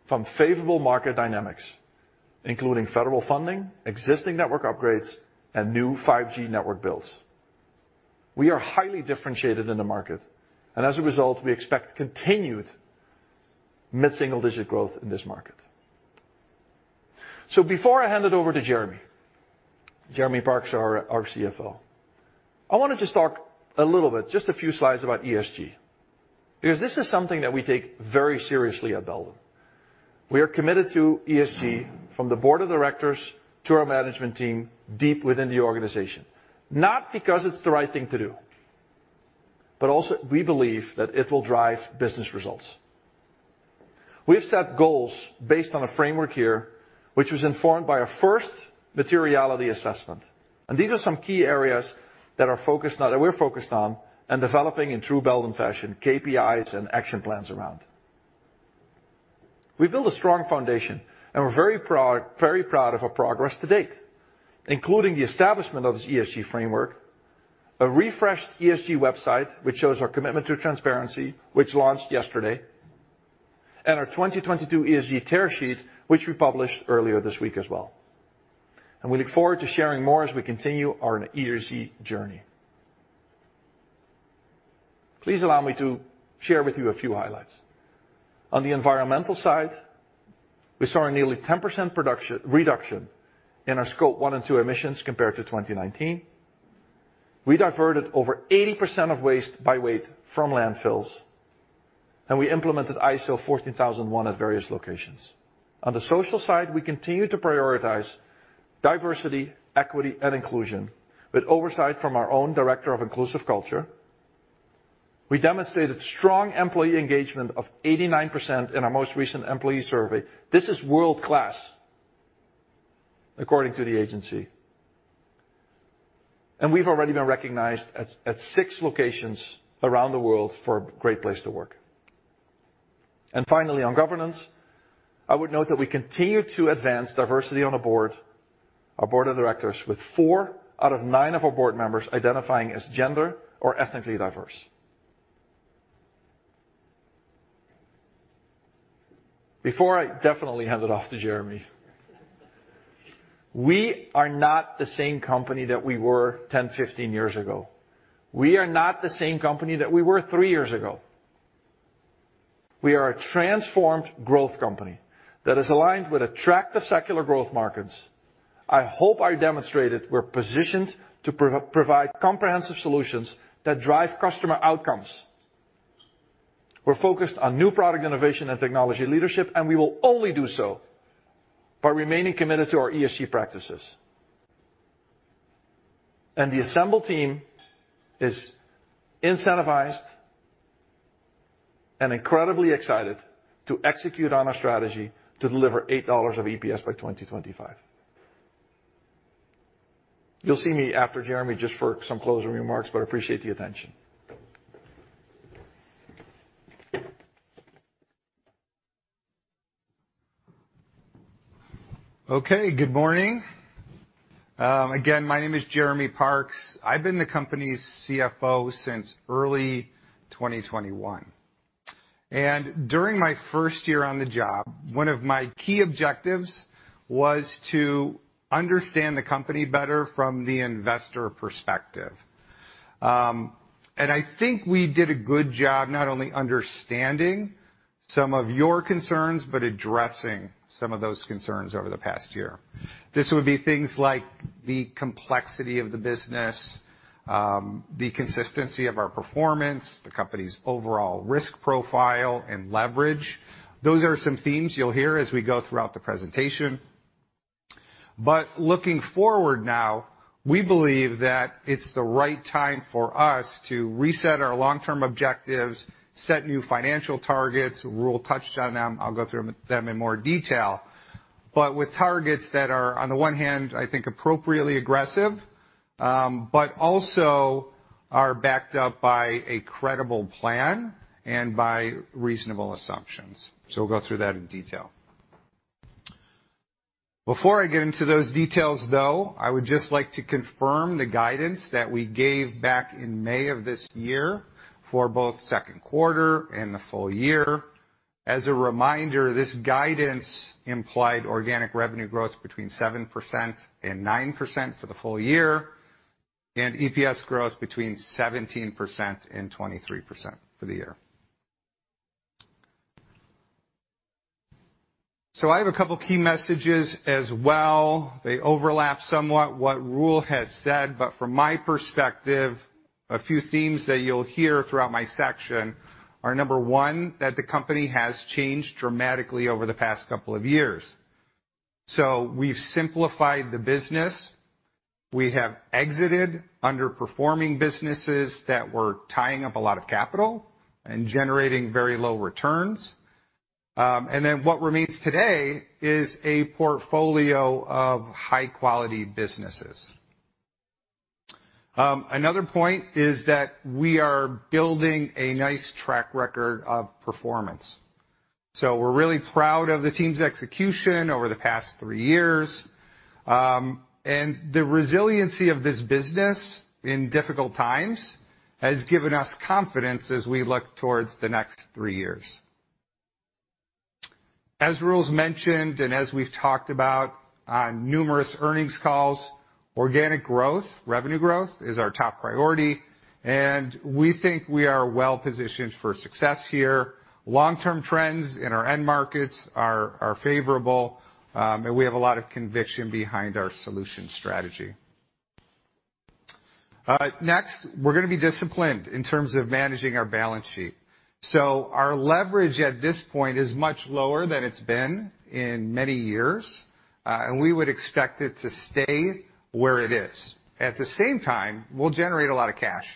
from favorable market dynamics, including federal funding, existing network upgrades, and new 5G network builds. We are highly differentiated in the market, and as a result, we expect continued mid-single digit growth in this market. Before I hand it over to Jeremy Parks, our CFO, I wanna just talk a little bit, just a few slides about ESG, because this is something that we take very seriously at Belden. We are committed to ESG from the board of directors to our management team deep within the organization, not because it's the right thing to do, but also we believe that it will drive business results. We've set goals based on a framework here, which was informed by our first materiality assessment, and these are some key areas that we're focused on and developing in true Belden fashion, KPIs and action plans around. We've built a strong foundation, and we're very proud of our progress to date, including the establishment of this ESG framework, a refreshed ESG website, which shows our commitment to transparency, which launched yesterday, and our 2022 ESG tear sheet, which we published earlier this week as well. We look forward to sharing more as we continue on our ESG journey. Please allow me to share with you a few highlights. On the environmental side, we saw a nearly 10% reduction in our scope one and two emissions compared to 2019. We diverted over 80% of waste by weight from landfills, and we implemented ISO 14001 at various locations. On the social side, we continue to prioritize diversity, equity, and inclusion with oversight from our own director of inclusive culture. We demonstrated strong employee engagement of 89% in our most recent employee survey. This is world-class, according to the agency. We've already been recognized at six locations around the world for a great place to work. Finally, on governance, I would note that we continue to advance diversity on a board, our board of directors, with 4 out of 9 of our board members identifying as gender or ethnically diverse. Before I definitely hand it off to Jeremy, we are not the same company that we were 10, 15 years ago. We are not the same company that we were 3 years ago. We are a transformed growth company that is aligned with attractive secular growth markets. I hope I demonstrated we're positioned to provide comprehensive solutions that drive customer outcomes. We're focused on new product innovation and technology leadership, and we will only do so by remaining committed to our ESG practices. The assembled team is incentivized and incredibly excited to execute on our strategy to deliver $8 of EPS by 2025. You'll see me after Jeremy just for some closing remarks, but I appreciate the attention. Okay, good morning. Again, my name is Jeremy Parks. I've been the company's CFO since early 2021. During my first year on the job, one of my key objectives was to understand the company better from the investor perspective. I think we did a good job not only understanding some of your concerns, but addressing some of those concerns over the past year. This would be things like the complexity of the business, the consistency of our performance, the company's overall risk profile and leverage. Those are some themes you'll hear as we go throughout the presentation. Looking forward now, we believe that it's the right time for us to reset our long-term objectives, set new financial targets. Roel touched on them, I'll go through them in more detail. With targets that are, on the one hand, I think appropriately aggressive, but also are backed up by a credible plan and by reasonable assumptions. We'll go through that in detail. Before I get into those details, though, I would just like to confirm the guidance that we gave back in May of this year for both Q2 and the full year. As a reminder, this guidance implied organic revenue growth between 7% and 9% for the full year, and EPS growth between 17% and 23% for the year. I have a couple key messages as well. They overlap somewhat what Roel has said, but from my perspective, a few themes that you'll hear throughout my section are, number one, that the company has changed dramatically over the past couple of years. We've simplified the business. We have exited underperforming businesses that were tying up a lot of capital and generating very low returns. What remains today is a portfolio of high-quality businesses. Another point is that we are building a nice track record of performance. We're really proud of the team's execution over the past three years. The resiliency of this business in difficult times has given us confidence as we look towards the next three years. As Roel has mentioned, and as we've talked about on numerous earnings calls. Organic growth, revenue growth is our top priority, and we think we are well-positioned for success here. Long-term trends in our end markets are favorable, and we have a lot of conviction behind our solution strategy. Next, we're gonna be disciplined in terms of managing our balance sheet. Our leverage at this point is much lower than it's been in many years, and we would expect it to stay where it is. At the same time, we'll generate a lot of cash.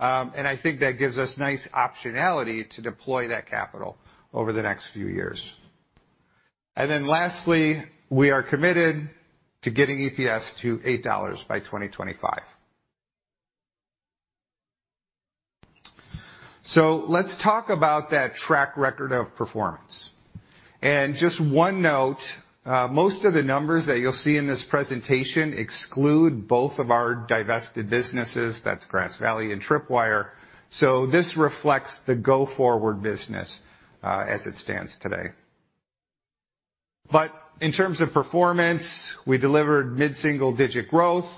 I think that gives us nice optionality to deploy that capital over the next few years. Lastly, we are committed to getting EPS to $8 by 2025. Let's talk about that track record of performance. Just one note, most of the numbers that you'll see in this presentation exclude both of our divested businesses, that's Grass Valley and Tripwire, so this reflects the go forward business, as it stands today. In terms of performance, we delivered mid-single digit growth,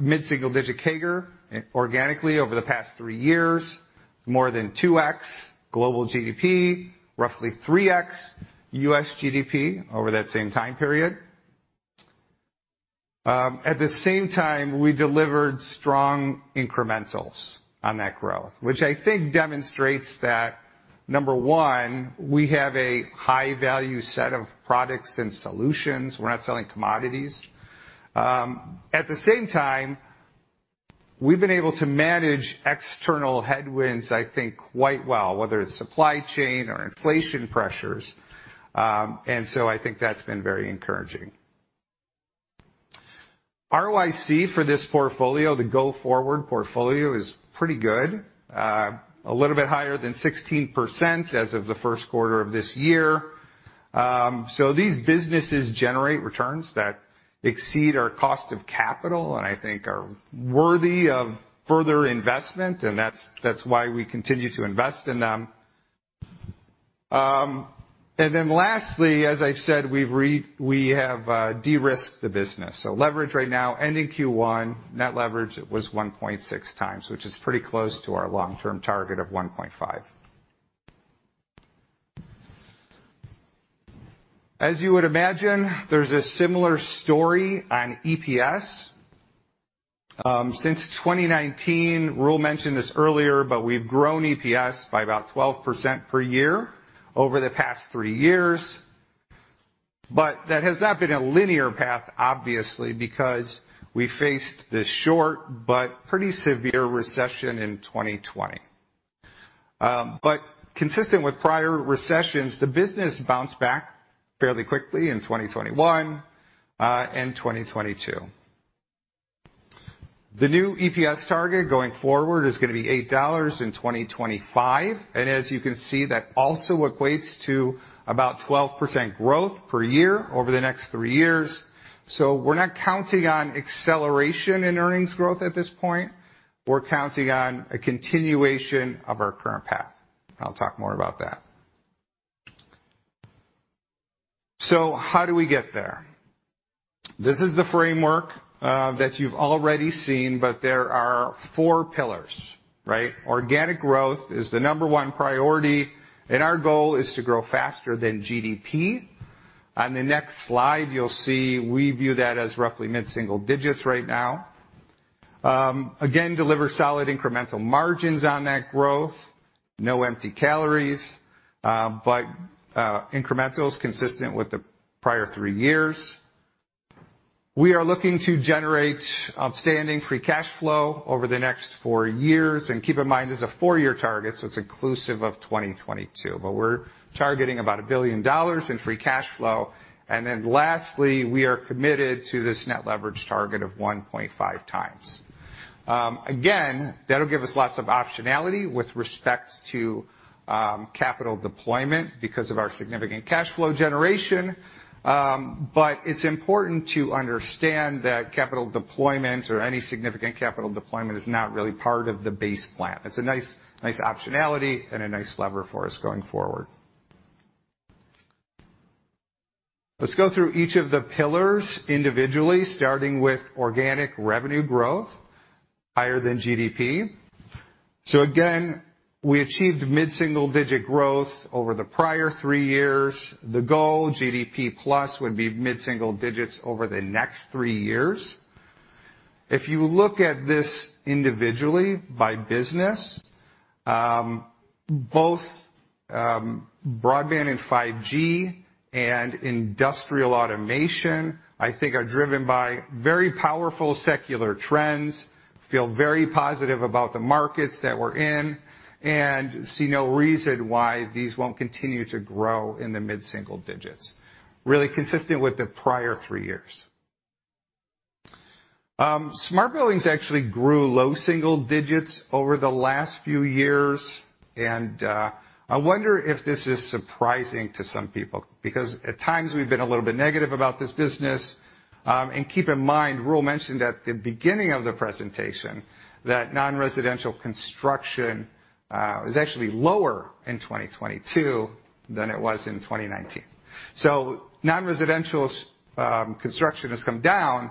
mid-single digit CAGR organically over the past three years, more than 2x global GDP, roughly 3x US GDP over that same time period. At the same time, we delivered strong incrementals on that growth, which I think demonstrates that, number one, we have a high value set of products and solutions. We're not selling commodities. At the same time, we've been able to manage external headwinds, I think, quite well, whether it's supply chain or inflation pressures. I think that's been very encouraging. ROIC for this portfolio, the go forward portfolio, is pretty good. A little bit higher than 16% as of the Q1 of this year. These businesses generate returns that exceed our cost of capital, and I think are worthy of further investment, and that's why we continue to invest in them. Then lastly, as I've said, we have de-risked the business. Leverage right now, ending Q1, net leverage was 1.6 times, which is pretty close to our long-term target of 1.5. As you would imagine, there's a similar story on EPS. Since 2019, Roel mentioned this earlier, but we've grown EPS by about 12% per year over the past 3 years. That has not been a linear path, obviously, because we faced the short but pretty severe recession in 2020. Consistent with prior recessions, the business bounced back fairly quickly in 2021 and 2022. The new EPS target going forward is gonna be $8 in 2025, and as you can see, that also equates to about 12% growth per year over the next 3 years. We're not counting on acceleration in earnings growth at this point, we're counting on a continuation of our current path. I'll talk more about that. How do we get there? This is the framework that you've already seen, but there are 4 pillars, right? Organic growth is the number one priority, and our goal is to grow faster than GDP. On the next slide, you'll see we view that as roughly mid-single digits right now. Again, deliver solid incremental margins on that growth, no empty calories, but incrementals consistent with the prior 3 years. We are looking to generate outstanding free cash flow over the next 4 years. Keep in mind, this is a 4-year target, so it's inclusive of 2022. We're targeting about $1 billion in free cash flow. Lastly, we are committed to this net leverage target of 1.5 times. Again, that'll give us lots of optionality with respect to capital deployment because of our significant cash flow generation. It's important to understand that capital deployment or any significant capital deployment is not really part of the base plan. It's a nice optionality and a nice lever for us going forward. Let's go through each of the pillars individually, starting with organic revenue growth higher than GDP. Again, we achieved mid-single-digit growth over the prior three years. The goal, GDP-plus, would be mid-single digits over the next three years. If you look at this individually by business, both broadband and 5G and industrial automation, I think, are driven by very powerful secular trends, feel very positive about the markets that we're in and see no reason why these won't continue to grow in the mid-single digits. Really consistent with the prior three years. Smart buildings actually grew low single digits over the last few years. I wonder if this is surprising to some people, because at times we've been a little bit negative about this business. Keep in mind, Roel mentioned at the beginning of the presentation that non-residential construction is actually lower in 2022 than it was in 2019. Non-residential construction has come down,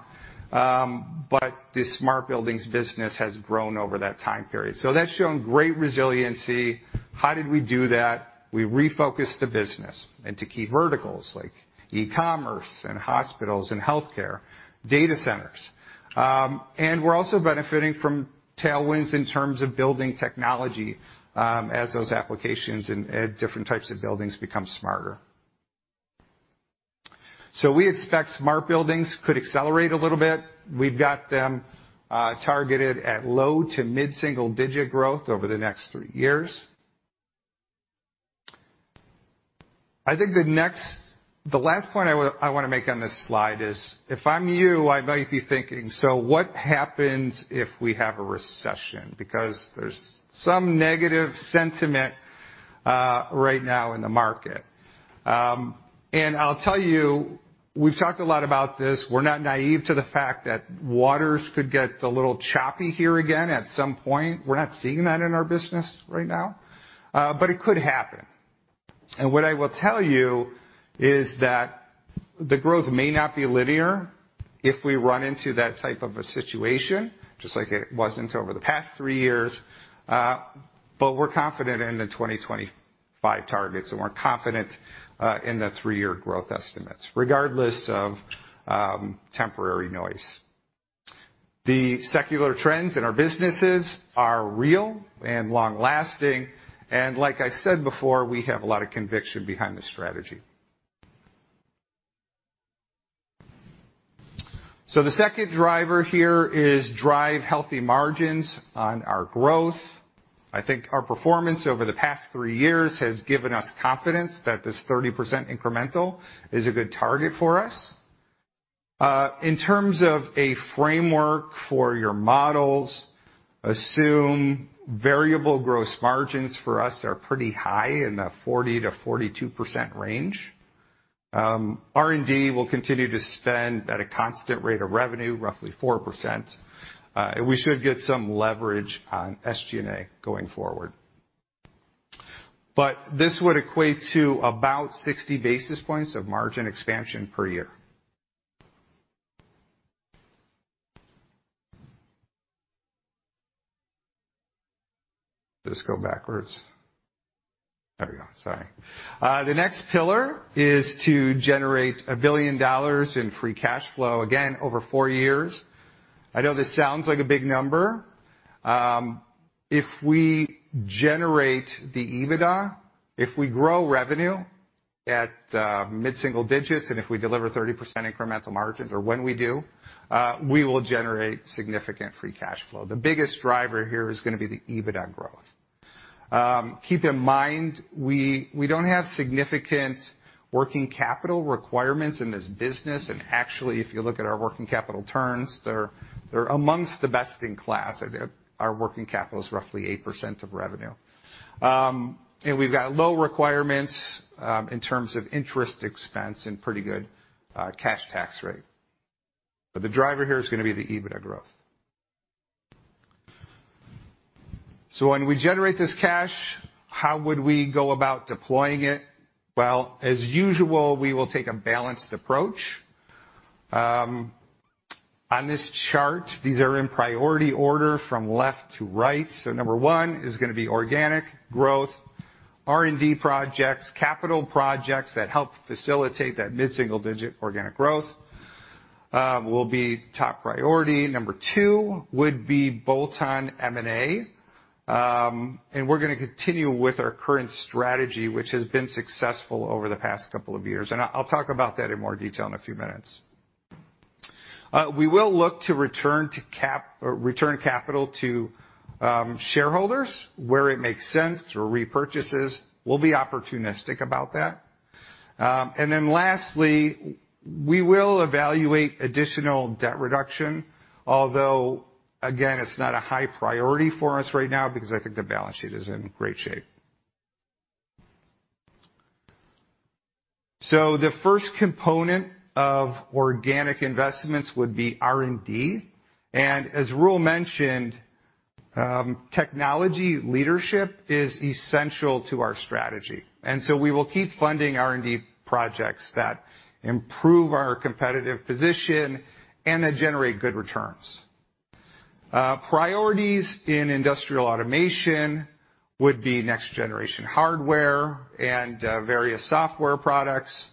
but the smart buildings business has grown over that time period. That's shown great resiliency. How did we do that? We refocused the business into key verticals like e-commerce and hospitals and healthcare, data centers. We're also benefiting from tailwinds in terms of building technology, as those applications and different types of buildings become smarter. We expect smart buildings could accelerate a little bit. We've got them targeted at low to mid-single digit growth over the next three years. I think the last point I want to make on this slide is if I'm you, I might be thinking, "So what happens if we have a recession?" There's some negative sentiment right now in the market. I'll tell you, we've talked a lot about this. We're not naive to the fact that waters could get a little choppy here again at some point. We're not seeing that in our business right now, but it could happen. What I will tell you is that the growth may not be linear if we run into that type of a situation, just like it wasn't over the past three years, but we're confident in the 2025 targets, and we're confident in the three-year growth estimates, regardless of temporary noise. The secular trends in our businesses are real and long-lasting, and like I said before, we have a lot of conviction behind this strategy. The second driver here is to drive healthy margins on our growth. I think our performance over the past three years has given us confidence that this 30% incremental is a good target for us. In terms of a framework for your models, assume variable gross margins for us are pretty high in the 40%-42% range. R&D will continue to spend at a constant rate of revenue, roughly 4%. We should get some leverage on SG&A going forward. This would equate to about 60 basis points of margin expansion per year. The next pillar is to generate $1 billion in free cash flow, again, over 4 years. I know this sounds like a big number. If we generate the EBITDA, if we grow revenue at mid-single digits, and if we deliver 30% incremental margins or when we do, we will generate significant free cash flow. The biggest driver here is gonna be the EBITDA growth. Keep in mind, we don't have significant working capital requirements in this business, and actually if you look at our working capital turns, they're among the best in class. Our working capital is roughly 8% of revenue. We've got low requirements in terms of interest expense and pretty good cash tax rate. The driver here is gonna be the EBITDA growth. When we generate this cash, how would we go about deploying it? Well, as usual, we will take a balanced approach. On this chart, these are in priority order from left to right. Number one is gonna be organic growth. R&D projects, capital projects that help facilitate that mid-single digit organic growth, will be top priority. Number two would be bolt-on M&A, and we're gonna continue with our current strategy, which has been successful over the past couple of years. I'll talk about that in more detail in a few minutes. We will look to return capital to shareholders where it makes sense through repurchases. We'll be opportunistic about that. Lastly, we will evaluate additional debt reduction, although, again, it's not a high priority for us right now because I think the balance sheet is in great shape. The first component of organic investments would be R&D. As Roel mentioned, technology leadership is essential to our strategy. We will keep funding R&D projects that improve our competitive position and that generate good returns. Priorities in industrial automation would be next generation hardware and various software products.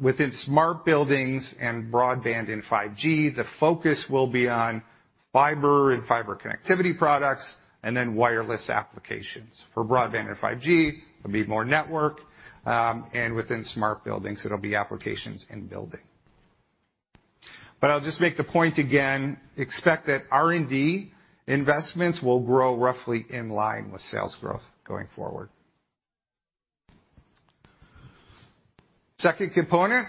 Within smart buildings and broadband and 5G, the focus will be on fiber and fiber connectivity products, and then wireless applications. For broadband and 5G, it'll be more network, and within smart buildings, it'll be applications and building. I'll just make the point again, expect that R&D investments will grow roughly in line with sales growth going forward. Second component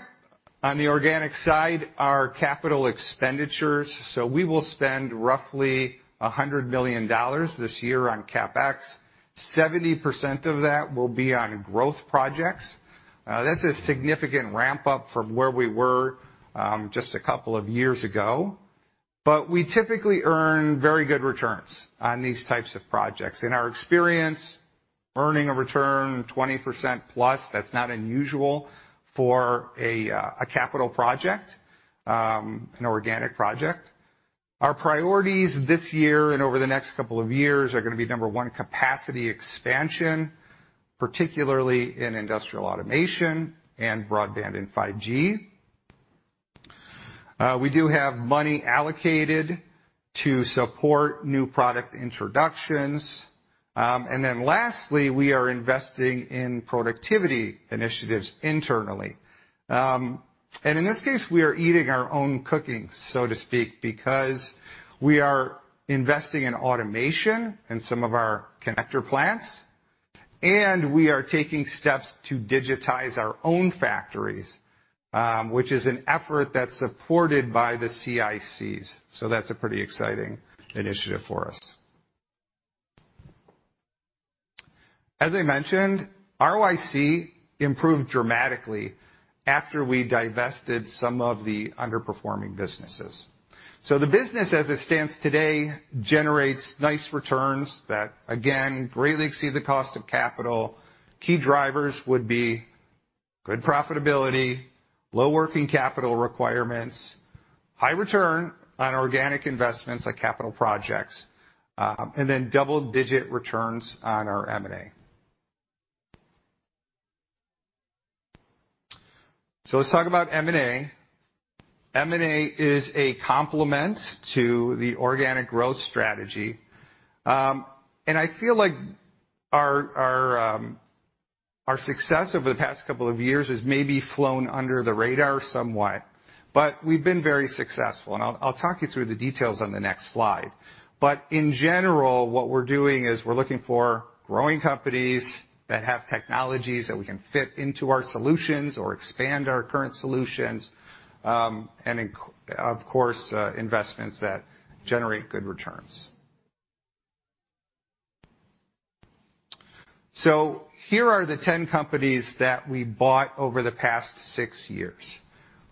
on the organic side are capital expenditures. We will spend roughly $100 million this year on CapEx. 70% of that will be on growth projects. That's a significant ramp-up from where we were just a couple of years ago. We typically earn very good returns on these types of projects. In our experience, earning a return 20%+, that's not unusual for a capital project, an organic project. Our priorities this year and over the next couple of years are gonna be, number one, capacity expansion, particularly in industrial automation and broadband and 5G. We do have money allocated to support new product introductions. Then lastly, we are investing in productivity initiatives internally. In this case, we are eating our own cooking, so to speak, because we are investing in automation in some of our connector plants, and we are taking steps to digitize our own factories, which is an effort that's supported by the CICs. That's a pretty exciting initiative for us. As I mentioned, ROIC improved dramatically after we divested some of the underperforming businesses. The business as it stands today generates nice returns that, again, greatly exceed the cost of capital. Key drivers would be good profitability, low working capital requirements, high return on organic investments like capital projects, and double-digit returns on our M&A. Let's talk about M&A. M&A is a complement to the organic growth strategy. I feel like our success over the past couple of years has maybe flown under the radar somewhat, but we've been very successful. I'll talk you through the details on the next slide. In general, what we're doing is we're looking for growing companies that have technologies that we can fit into our solutions or expand our current solutions, and of course, investments that generate good returns. Here are the 10 companies that we bought over the past 6 years.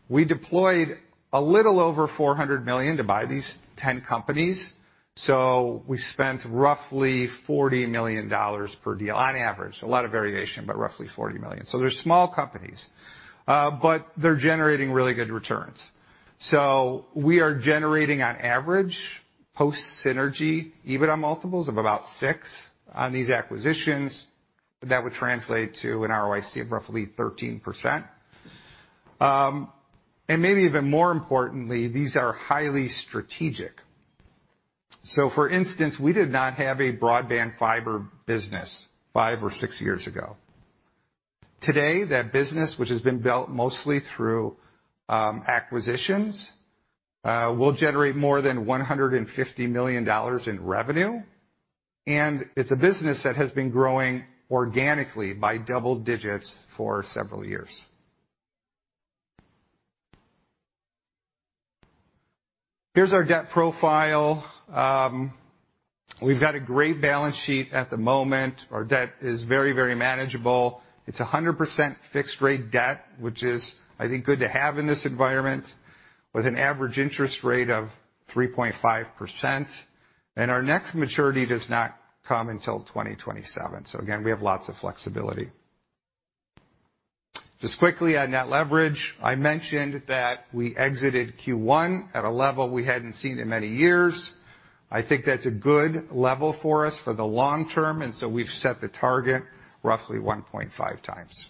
We deployed a little over $400 million to buy these 10 companies, so we spent roughly $40 million per deal on average. A lot of variation, but roughly $40 million. They're small companies, but they're generating really good returns. We are generating on average post synergy EBITDA multiples of about 6 on these acquisitions that would translate to an ROIC of roughly 13%. Maybe even more importantly, these are highly strategic. For instance, we did not have a broadband fiber business five or six years ago. Today, that business, which has been built mostly through acquisitions, will generate more than $150 million in revenue, and it's a business that has been growing organically by double digits for several years. Here's our debt profile. We've got a great balance sheet at the moment. Our debt is very, very manageable. It's 100% fixed rate debt, which is, I think, good to have in this environment, with an average interest rate of 3.5%. Our next maturity does not come until 2027. Again, we have lots of flexibility. Just quickly on net leverage, I mentioned that we exited Q1 at a level we hadn't seen in many years. I think that's a good level for us for the long term, we've set the target roughly 1.5 times.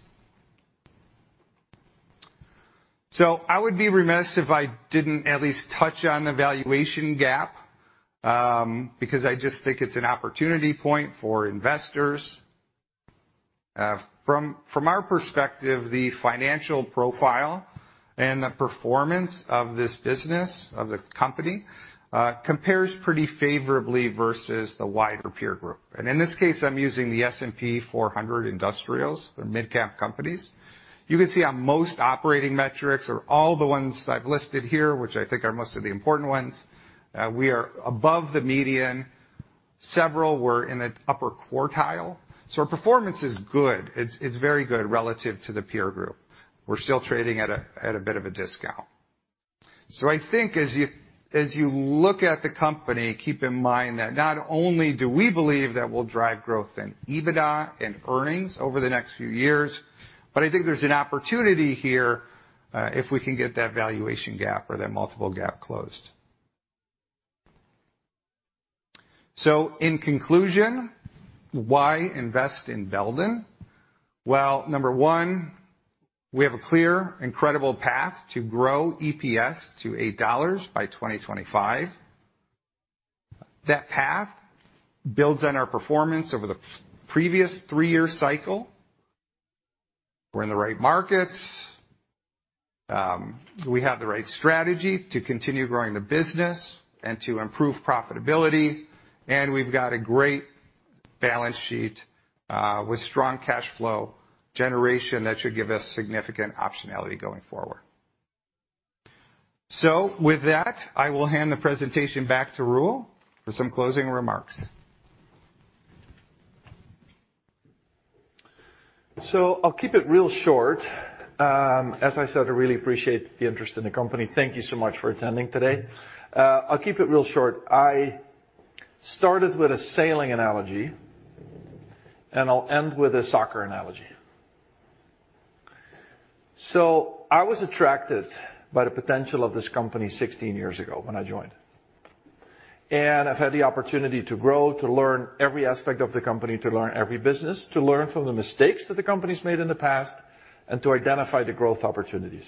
I would be remiss if I didn't at least touch on the valuation gap, because I just think it's an opportunity point for investors. From our perspective, the financial profile and the performance of this business, of the company, compares pretty favorably versus the wider peer group. In this case, I'm using the S&P 400 industrials. They're midcap companies. You can see on most operating metrics or all the ones I've listed here, which I think are most of the important ones, we are above the median. Several were in the upper quartile. Our performance is good. It's very good relative to the peer group. We're still trading at a bit of a discount. I think as you look at the company, keep in mind that not only do we believe that we'll drive growth in EBITDA and earnings over the next few years, but I think there's an opportunity here, if we can get that valuation gap or that multiple gap closed. In conclusion, why invest in Belden? Well, number one, we have a clear, incredible path to grow EPS to $8 by 2025. That path builds on our performance over the previous three-year cycle. We're in the right markets. We have the right strategy to continue growing the business and to improve profitability. We've got a great balance sheet, with strong cash flow generation that should give us significant optionality going forward. With that, I will hand the presentation back to Roel for some closing remarks. I'll keep it real short. As I said, I really appreciate the interest in the company. Thank you so much for attending today. I'll keep it real short. I started with a sailing analogy, and I'll end with a soccer analogy. I was attracted by the potential of this company 16 years ago when I joined. I've had the opportunity to grow, to learn every aspect of the company, to learn every business, to learn from the mistakes that the company's made in the past, and to identify the growth opportunities.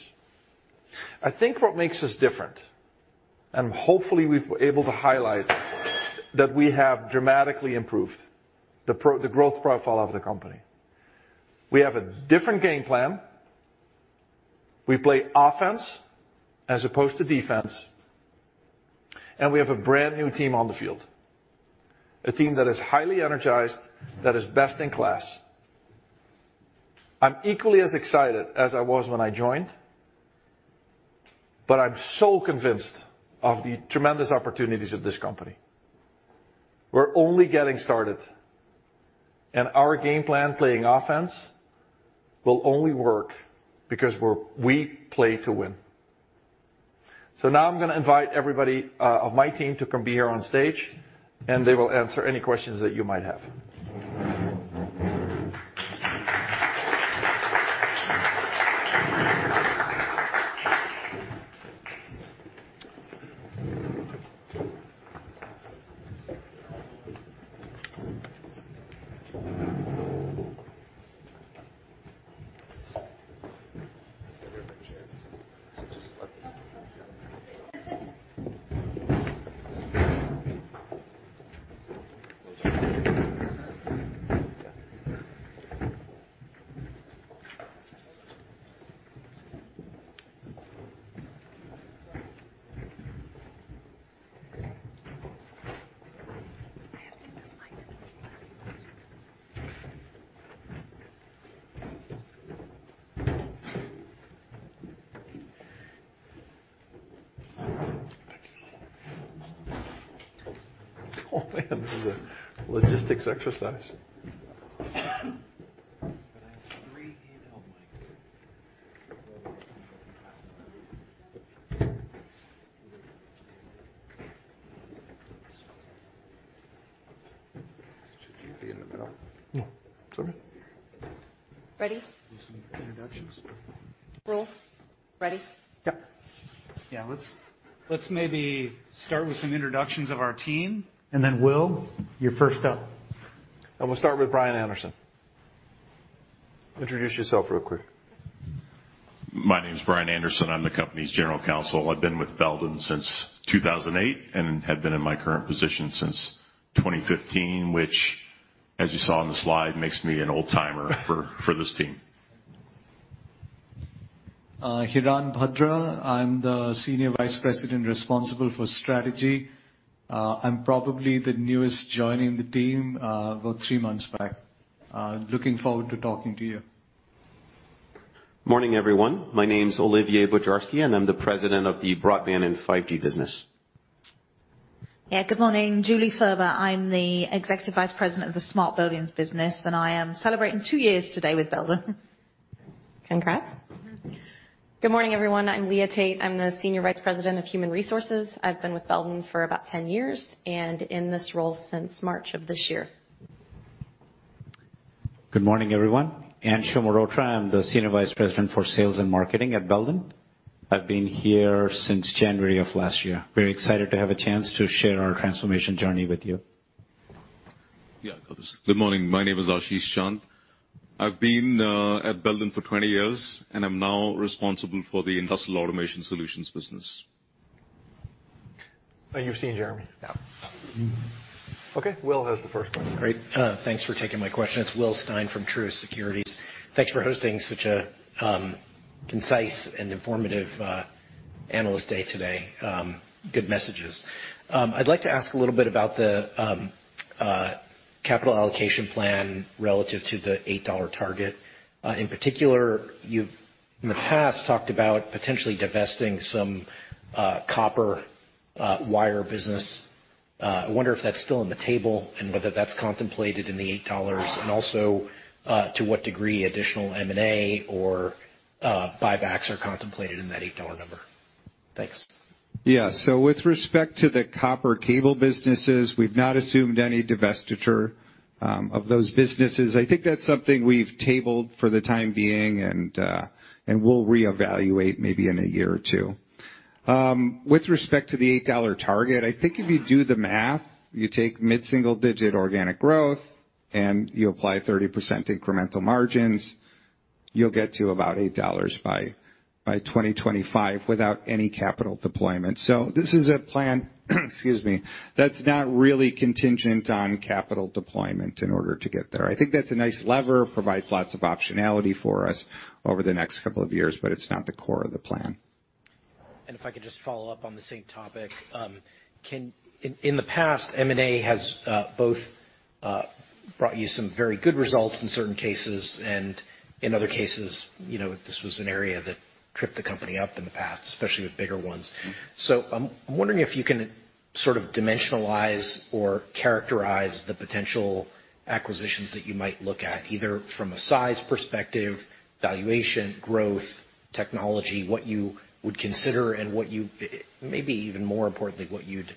I think what makes us different, and hopefully we've been able to highlight, that we have dramatically improved the growth profile of the company. We have a different game plan. We play offense as opposed to defense, and we have a brand-new team on the field, a team that is highly energized, that is best-in-class. I'm equally as excited as I was when I joined, but I'm so convinced of the tremendous opportunities of this company. We're only getting started. Our game plan, playing offense, will only work because we play to win. Now I'm gonna invite everybody of my team to come be here on stage, and they will answer any questions that you might have. Oh, man, this is a logistics exercise. Should you be in the middle? No, it's okay. Ready? Do some introductions. Roel, ready? Yep. Yeah. Let's maybe start with some introductions of our team and then, Will, you're first up. We'll start with Brian Anderson. Introduce yourself real quick. My name's Brian Anderson. I'm the company's General Counsel. I've been with Belden since 2008 and have been in my current position since 2015, which, as you saw on the slide, makes me an old-timer for this team. Hiran Bhadra. I'm the Senior Vice President responsible for strategy. I'm probably the newest joining the team, about three months back. Looking forward to talking to you. Morning, everyone. My name's Olivier Bojarski, and I'm the President of the Broadband and 5G business. Yeah. Good morning. Julie Furber. I'm the Executive Vice President of the Smart Buildings business, and I am celebrating two years today with Belden. Congrats. Mm-hmm. Good morning, everyone. I'm Leah Tate. I'm the Senior Vice President of Human Resources. I've been with Belden for about 10 years and in this role since March of this year. Good morning, everyone. Anshuman Mehrotra. I'm the Senior Vice President for Sales and Marketing at Belden. I've been here since January of last year. Very excited to have a chance to share our transformation journey with you. Yeah. Good morning. My name is Ashish Chand. I've been at Belden for 20 years, and I'm now responsible for the Industrial Automation Solutions business. Now, you've seen Jeremy. Yeah. Okay. Will has the first one. Great. Thanks for taking my question. It's William Stein from Truist Securities. Thanks for hosting such a concise and informative analyst day today. Good messages. I'd like to ask a little bit about the capital allocation plan relative to the $8 target. In particular, you've in the past talked about potentially divesting some copper wire business. I wonder if that's still on the table and whether that's contemplated in the $8 and also to what degree additional M&A or buybacks are contemplated in that $8 number. Thanks. Yeah. With respect to the copper cable businesses, we've not assumed any divestiture of those businesses. I think that's something we've tabled for the time being, and we'll reevaluate maybe in a year or two. With respect to the $8 target, I think if you do the math, you take mid-single-digit organic growth, and you apply 30% incremental margins, you'll get to about $8 by 2025 without any capital deployment. This is a plan, excuse me, that's not really contingent on capital deployment in order to get there. I think that's a nice lever, provides lots of optionality for us over the next couple of years, but it's not the core of the plan. If I could just follow up on the same topic. In the past, M&A has both brought you some very good results in certain cases and in other cases, you know, this was an area that tripped the company up in the past, especially with bigger ones. Mm-hmm. I'm wondering if you can. Sort of dimensionalize or characterize the potential acquisitions that you might look at, either from a size perspective, valuation, growth, technology, what you would consider and what you, maybe even more importantly, what you'd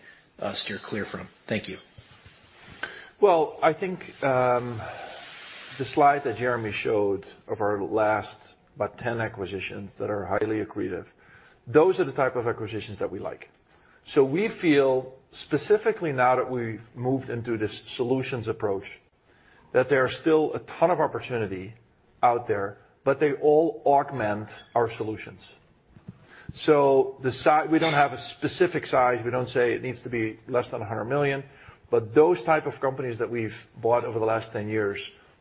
steer clear from? Thank you. Well, I think the slide that Jeremy showed of our last about 10 acquisitions that are highly accretive, those are the type of acquisitions that we like. We feel specifically now that we've moved into this solutions approach, that there are still a ton of opportunity out there, but they all augment our solutions. We don't have a specific size. We don't say it needs to be less than $100 million. Those type of companies that we've bought over the last 10 years,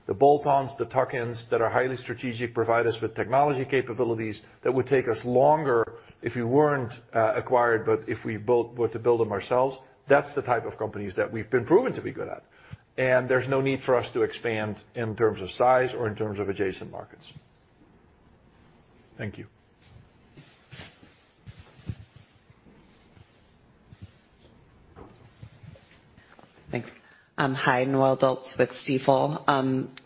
the bolt-ons, the tuck-ins that are highly strategic, provide us with technology capabilities that would take us longer if we weren't acquired, but if we were to build them ourselves, that's the type of companies that we've been proven to be good at. There's no need for us to expand in terms of size or in terms of adjacent markets. Thank you. Thanks. Hi, Noelle Dilts with Stifel.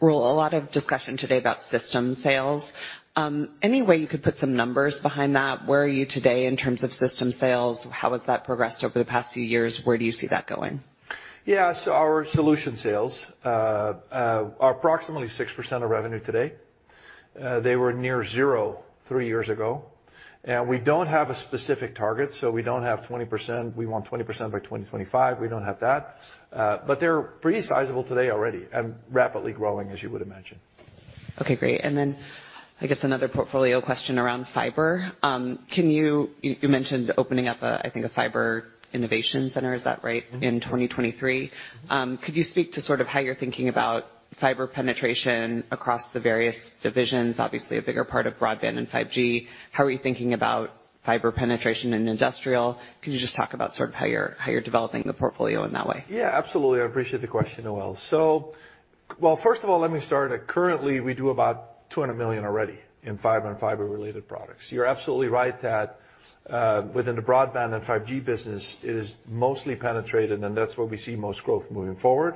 Roel, a lot of discussion today about system sales. Any way you could put some numbers behind that? Where are you today in terms of system sales? How has that progressed over the past few years? Where do you see that going? Yeah. Our solution sales are approximately 6% of revenue today. They were near zero three years ago. We don't have a specific target, so we don't have 20%. We want 20% by 2025. We don't have that. They're pretty sizable today already and rapidly growing, as you would imagine. Okay, great. I guess another portfolio question around fiber. You mentioned opening up a, I think, a fiber innovation center. Is that right? <inaudible> In 2023. <inaudible> Could you speak to sort of how you're thinking about fiber penetration across the various divisions? Obviously, a bigger part of broadband and 5G. How are you thinking about fiber penetration in industrial? Could you just talk about sort of how you're developing the portfolio in that way? Yeah, absolutely. I appreciate the question, Noelle. Well, first of all, let me start. Currently, we do about $200 million already in fiber and fiber-related products. You're absolutely right that within the broadband and 5G business, it is mostly penetrated, and that's where we see most growth moving forward.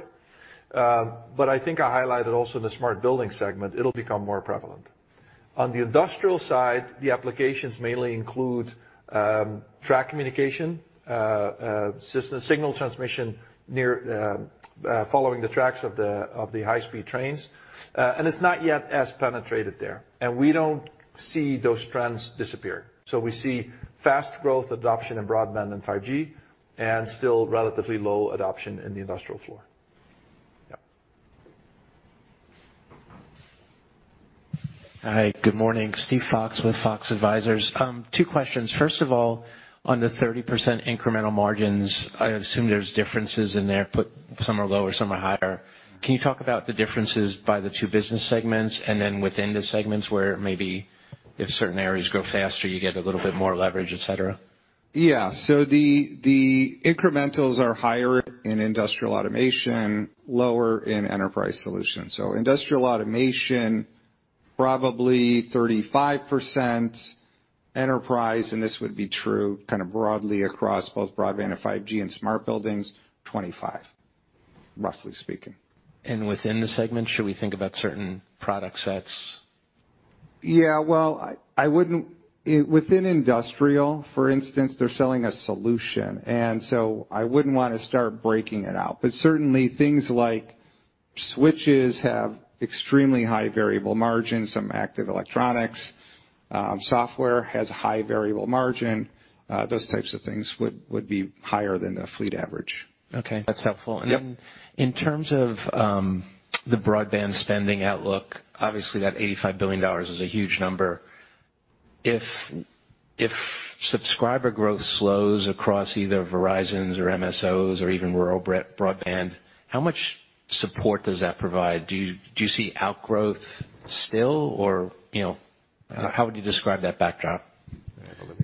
I think I highlighted also in the smart building segment, it'll become more prevalent. On the industrial side, the applications mainly include track communication, signal transmission and following the tracks of the high-speed trains. It's not yet as penetrated there. We don't see those trends disappear. We see fast growth adoption in broadband and 5G and still relatively low adoption in the industrial floor. Yeah. Hi, good morning. Steven Fox with Fox Advisors. Two questions. First of all, on the 30% incremental margins, I assume there's differences in there, but some are lower, some are higher. Can you talk about the differences by the two business segments and then within the segments where maybe if certain areas grow faster, you get a little bit more leverage, et cetera? Yeah. The incrementals are higher in industrial automation, lower in enterprise solutions. Industrial automation, probably 35%. Enterprise, and this would be true kind of broadly across both broadband and 5G and smart buildings, 25%, roughly speaking. Within the segment, should we think about certain product sets? Well, within industrial, for instance, they're selling a solution, and so I wouldn't want to start breaking it out. Certainly, things like switches have extremely high variable margins. Some active electronics, software has high variable margin. Those types of things would be higher than the fleet average. Okay, that's helpful. Yep. In terms of the broadband spending outlook, obviously that $85 billion is a huge number. If subscriber growth slows across either Verizon's or MSOs or even rural broadband, how much support does that provide? Do you see outgrowth still or, you know, how would you describe that backdrop?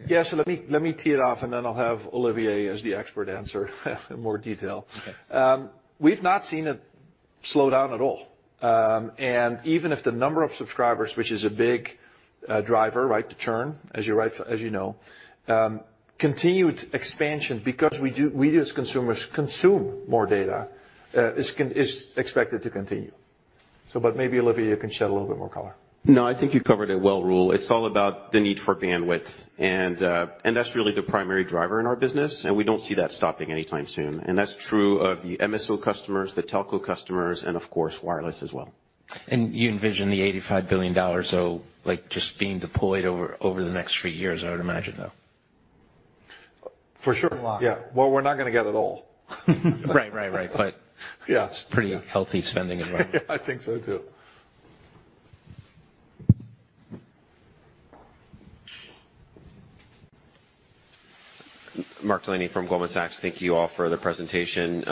Let me tee it off and then I'll have Olivier as the expert answer in more detail. Okay. We've not seen it slow down at all. Even if the number of subscribers, which is a big driver, right, to churn, as you know, continued expansion because we as consumers consume more data is expected to continue. Maybe, Olivier, you can shed a little bit more color. No, I think you covered it well, Roel. It's all about the need for bandwidth. That's really the primary driver in our business, and we don't see that stopping anytime soon. That's true of the MSO customers, the telco customers, and of course, wireless as well. You envision the $85 billion, so like just being deployed over the next three years, I would imagine, though? For sure. A lot. Yeah. Well, we're not gonna get it all. Right. Yeah. It's pretty healthy spending environment. I think so too. Mark Delaney from Goldman Sachs. Thank you all for the presentation.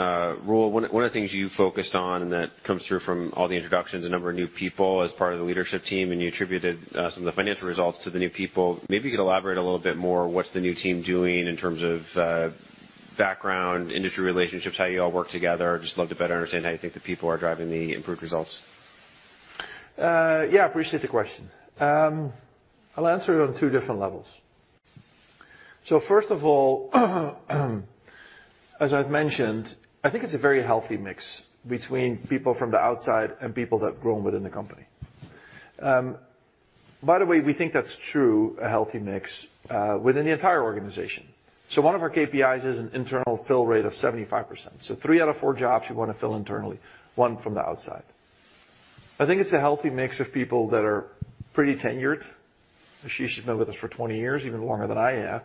Roel, one of the things you focused on and that comes through from all the introductions, a number of new people as part of the leadership team, and you attributed some of the financial results to the new people. Maybe you could elaborate a little bit more, what's the new team doing in terms of background, industry relationships, how you all work together? Just love to better understand how you think the people are driving the improved results. Yeah, appreciate the question. I'll answer it on two different levels. First of all, as I've mentioned, I think it's a very healthy mix between people from the outside and people that have grown within the company. By the way, we think that's true, a healthy mix, within the entire organization. One of our KPIs is an internal fill rate of 75%. Three out of four jobs you wanna fill internally, one from the outside. I think it's a healthy mix of people that are pretty tenured. Ashish has been with us for 20 years, even longer than I have,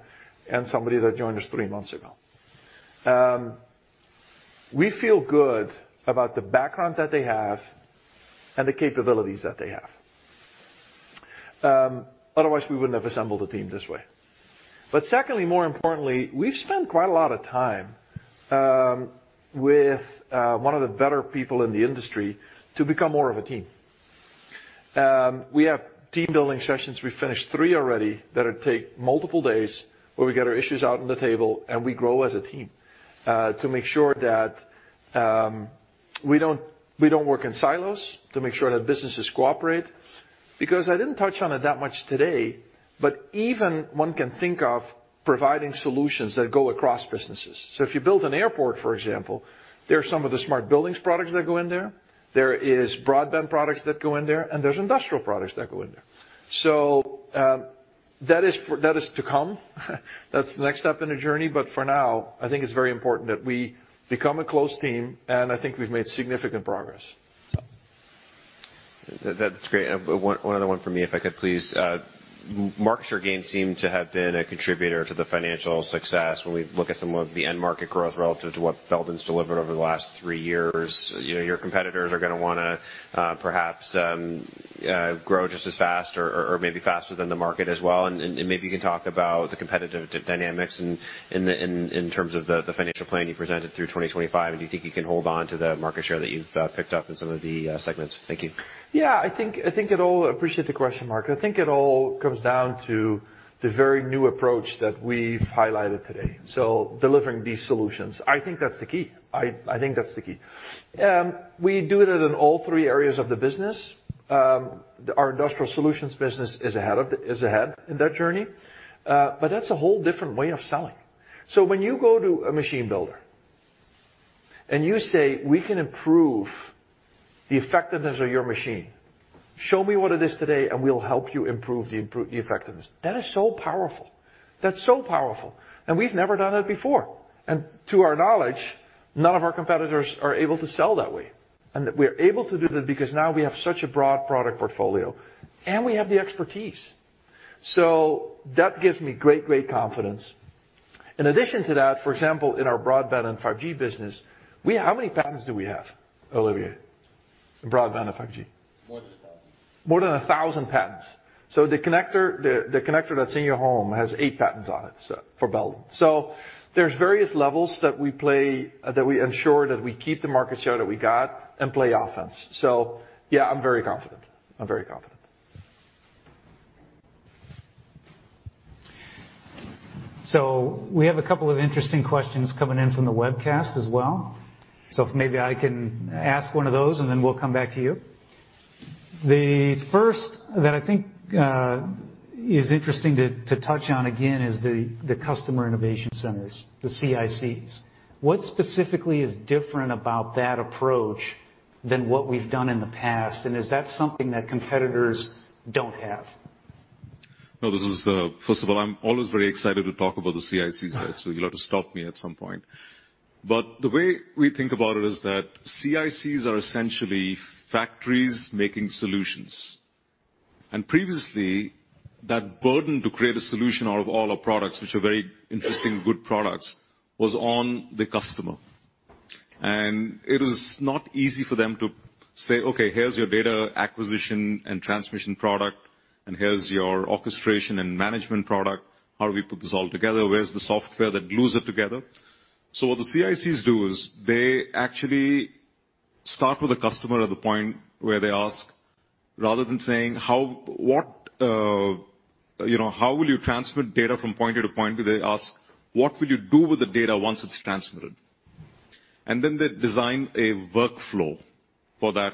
and somebody that joined us 3 months ago. We feel good about the background that they have and the capabilities that they have. Otherwise we wouldn't have assembled a team this way. Secondly, more importantly, we've spent quite a lot of time with one of the better people in the industry to become more of a team. We have team-building sessions. We finished three already that would take multiple days, where we get our issues out on the table, and we grow as a team to make sure that we don't work in silos, to make sure that businesses cooperate. Because I didn't touch on it that much today, but even one can think of providing solutions that go across businesses. If you build an airport, for example, there are some of the smart buildings products that go in there is broadband products that go in there, and there's industrial products that go in there. That is to come. That's the next step in the journey. For now, I think it's very important that we become a close team, and I think we've made significant progress, so. That's great. One other one from me, if I could please. Market share gains seem to have been a contributor to the financial success when we look at some of the end market growth relative to what Belden's delivered over the last three years. You know, your competitors are gonna wanna perhaps grow just as fast or maybe faster than the market as well. Maybe you can talk about the competitive dynamics in terms of the financial plan you presented through 2025. Do you think you can hold on to the market share that you've picked up in some of the segments? Thank you. Appreciate the question, Mark. I think it all comes down to the very new approach that we've highlighted today. Delivering these solutions, I think that's the key. We do it in all three areas of the business. Our industrial solutions business is ahead in that journey. That's a whole different way of selling. When you go to a machine builder, and you say, "We can improve the effectiveness of your machine. Show me what it is today, and we'll help you improve the effectiveness," that is so powerful. We've never done that before. To our knowledge, none of our competitors are able to sell that way. We're able to do that because now we have such a broad product portfolio, and we have the expertise. That gives me great confidence. In addition to that, for example, in our broadband and 5G business, how many patents do we have, Olivier, in broadband and 5G? More than 1,000. More than 1,000 patents. The connector that's in your home has eight patents on it, so for Belden. There's various levels that we play, that we ensure that we keep the market share that we got and play offense. Yeah, I'm very confident. I'm very confident. We have a couple of interesting questions coming in from the webcast as well. If maybe I can ask one of those, and then we'll come back to you. The first that I think is interesting to touch on again is the Customer Innovation Centers, the CICs. What specifically is different about that approach than what we've done in the past? And is that something that competitors don't have? No, this is. First of all, I'm always very excited to talk about the CICs, right? You'll have to stop me at some point. The way we think about it is that CICs are essentially factories making solutions. Previously, that burden to create a solution out of all our products, which are very interesting good products, was on the customer. It was not easy for them to say, "Okay, here's your data acquisition and transmission product, and here's your orchestration and management product. How do we put this all together? Where's the software that glues it together?" What the CICs do is they actually start with a customer at the point where they ask, rather than saying, you know, how will you transmit data from point A to point B, they ask, "What will you do with the data once it's transmitted?" Then they design a workflow for that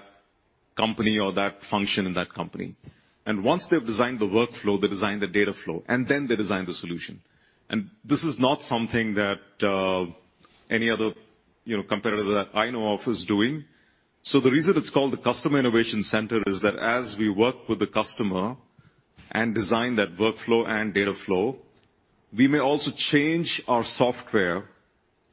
company or that function in that company. Once they've designed the workflow, they design the data flow, and then they design the solution. This is not something that any other, you know, competitor that I know of is doing. The reason it's called the Customer Innovation Center is that as we work with the customer and design that workflow and data flow, we may also change our software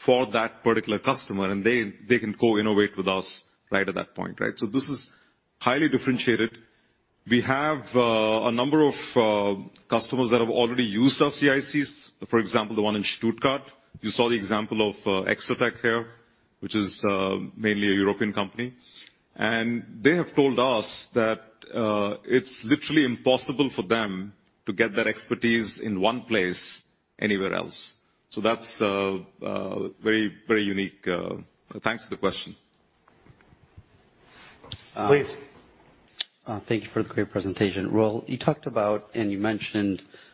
for that particular customer, and they can co-innovate with us right at that point, right? This is highly differentiated. We have a number of customers that have already used our CICs, for example, the one in Stuttgart. You saw the example of Exotec here, which is mainly a European company. They have told us that it's literally impossible for them to get that expertise in one place anywhere else. That's very, very unique. Thanks for the question. Please. Thank you for the great presentation. Roel Vestjens, you talked about, and you mentioned, Sameer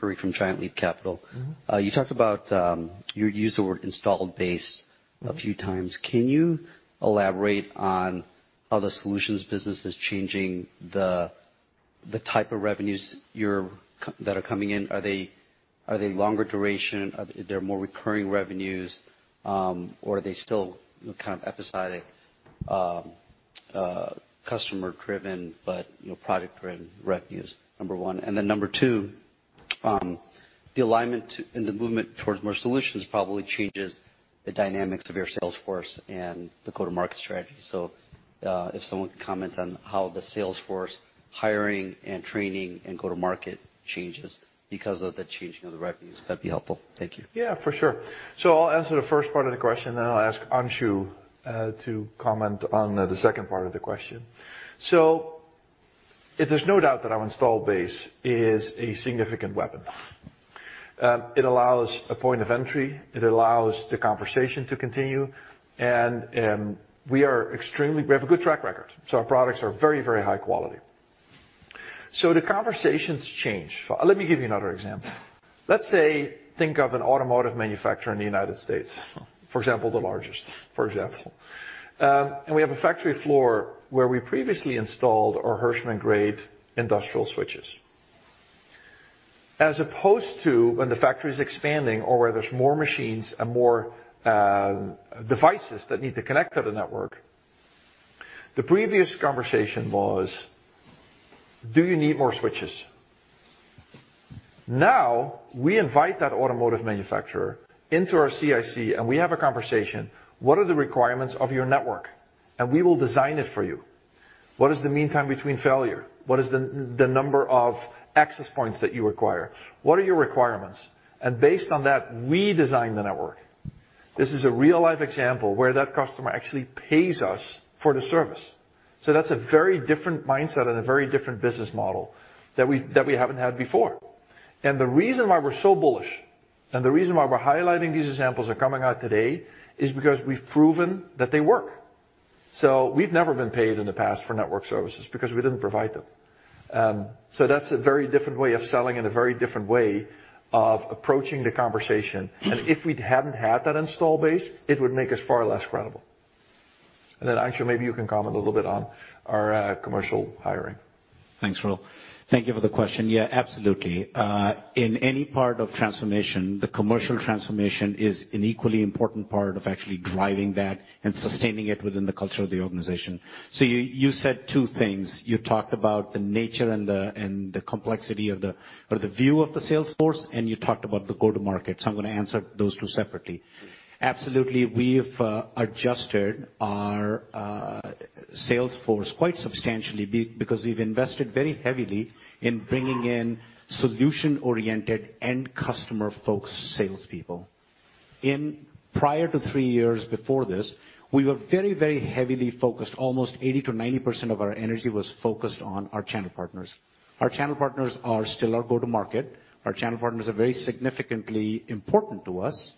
Puri from Giant Leap Capital. Mm-hmm. You talked about, you used the word installed base a few times. Can you elaborate on how the solutions business is changing the- The type of revenues that are coming in, are they longer duration? Are they more recurring revenues? Or are they still kind of episodic, customer-driven, but, you know, product-driven revenues? Number one. Then number two, the alignment to, and the movement towards more solutions probably changes the dynamics of your sales force and the go-to-market strategy. So, if someone could comment on how the sales force hiring and training and go-to-market changes because of the changing of the revenues, that'd be helpful. Thank you. Yeah, for sure. I'll answer the first part of the question, then I'll ask Anshu to comment on the second part of the question. There's no doubt that our install base is a significant weapon. It allows a point of entry, it allows the conversation to continue, and we have a good track record, so our products are very, very high quality. The conversations change. Let me give you another example. Let's say, think of an automotive manufacturer in the United States, for example, the largest, for example. And we have a factory floor where we previously installed our Hirschmann-grade industrial switches. As opposed to when the factory is expanding or where there's more machines and more devices that need to connect to the network, the previous conversation was, "Do you need more switches?" Now, we invite that automotive manufacturer into our CIC, and we have a conversation, "What are the requirements of your network? And we will design it for you. What is the mean time between failure? What is the number of access points that you require? What are your requirements?" And based on that, we design the network. This is a real-life example where that customer actually pays us for the service. So that's a very different mindset and a very different business model that we haven't had before. The reason why we're so bullish, and the reason why we're highlighting these examples are coming out today, is because we've proven that they work. We've never been paid in the past for network services because we didn't provide them. That's a very different way of selling and a very different way of approaching the conversation. If we'd hadn't had that installed base, it would make us far less credible. Anshu, maybe you can comment a little bit on our commercial hiring. Thanks, Roel. Thank you for the question. Yeah, absolutely. In any part of transformation, the commercial transformation is an equally important part of actually driving that and sustaining it within the culture of the organization. You said two things. You talked about the nature and the complexity or the view of the sales force, and you talked about the go-to-market. I'm gonna answer those two separately. Absolutely, we've adjusted our sales force quite substantially because we've invested very heavily in bringing in solution-oriented end customer folks salespeople. In prior to three years before this, we were very heavily focused, almost 80%-90% of our energy was focused on our channel partners. Our channel partners are still our go-to-market. Our channel partners are very significantly important to us.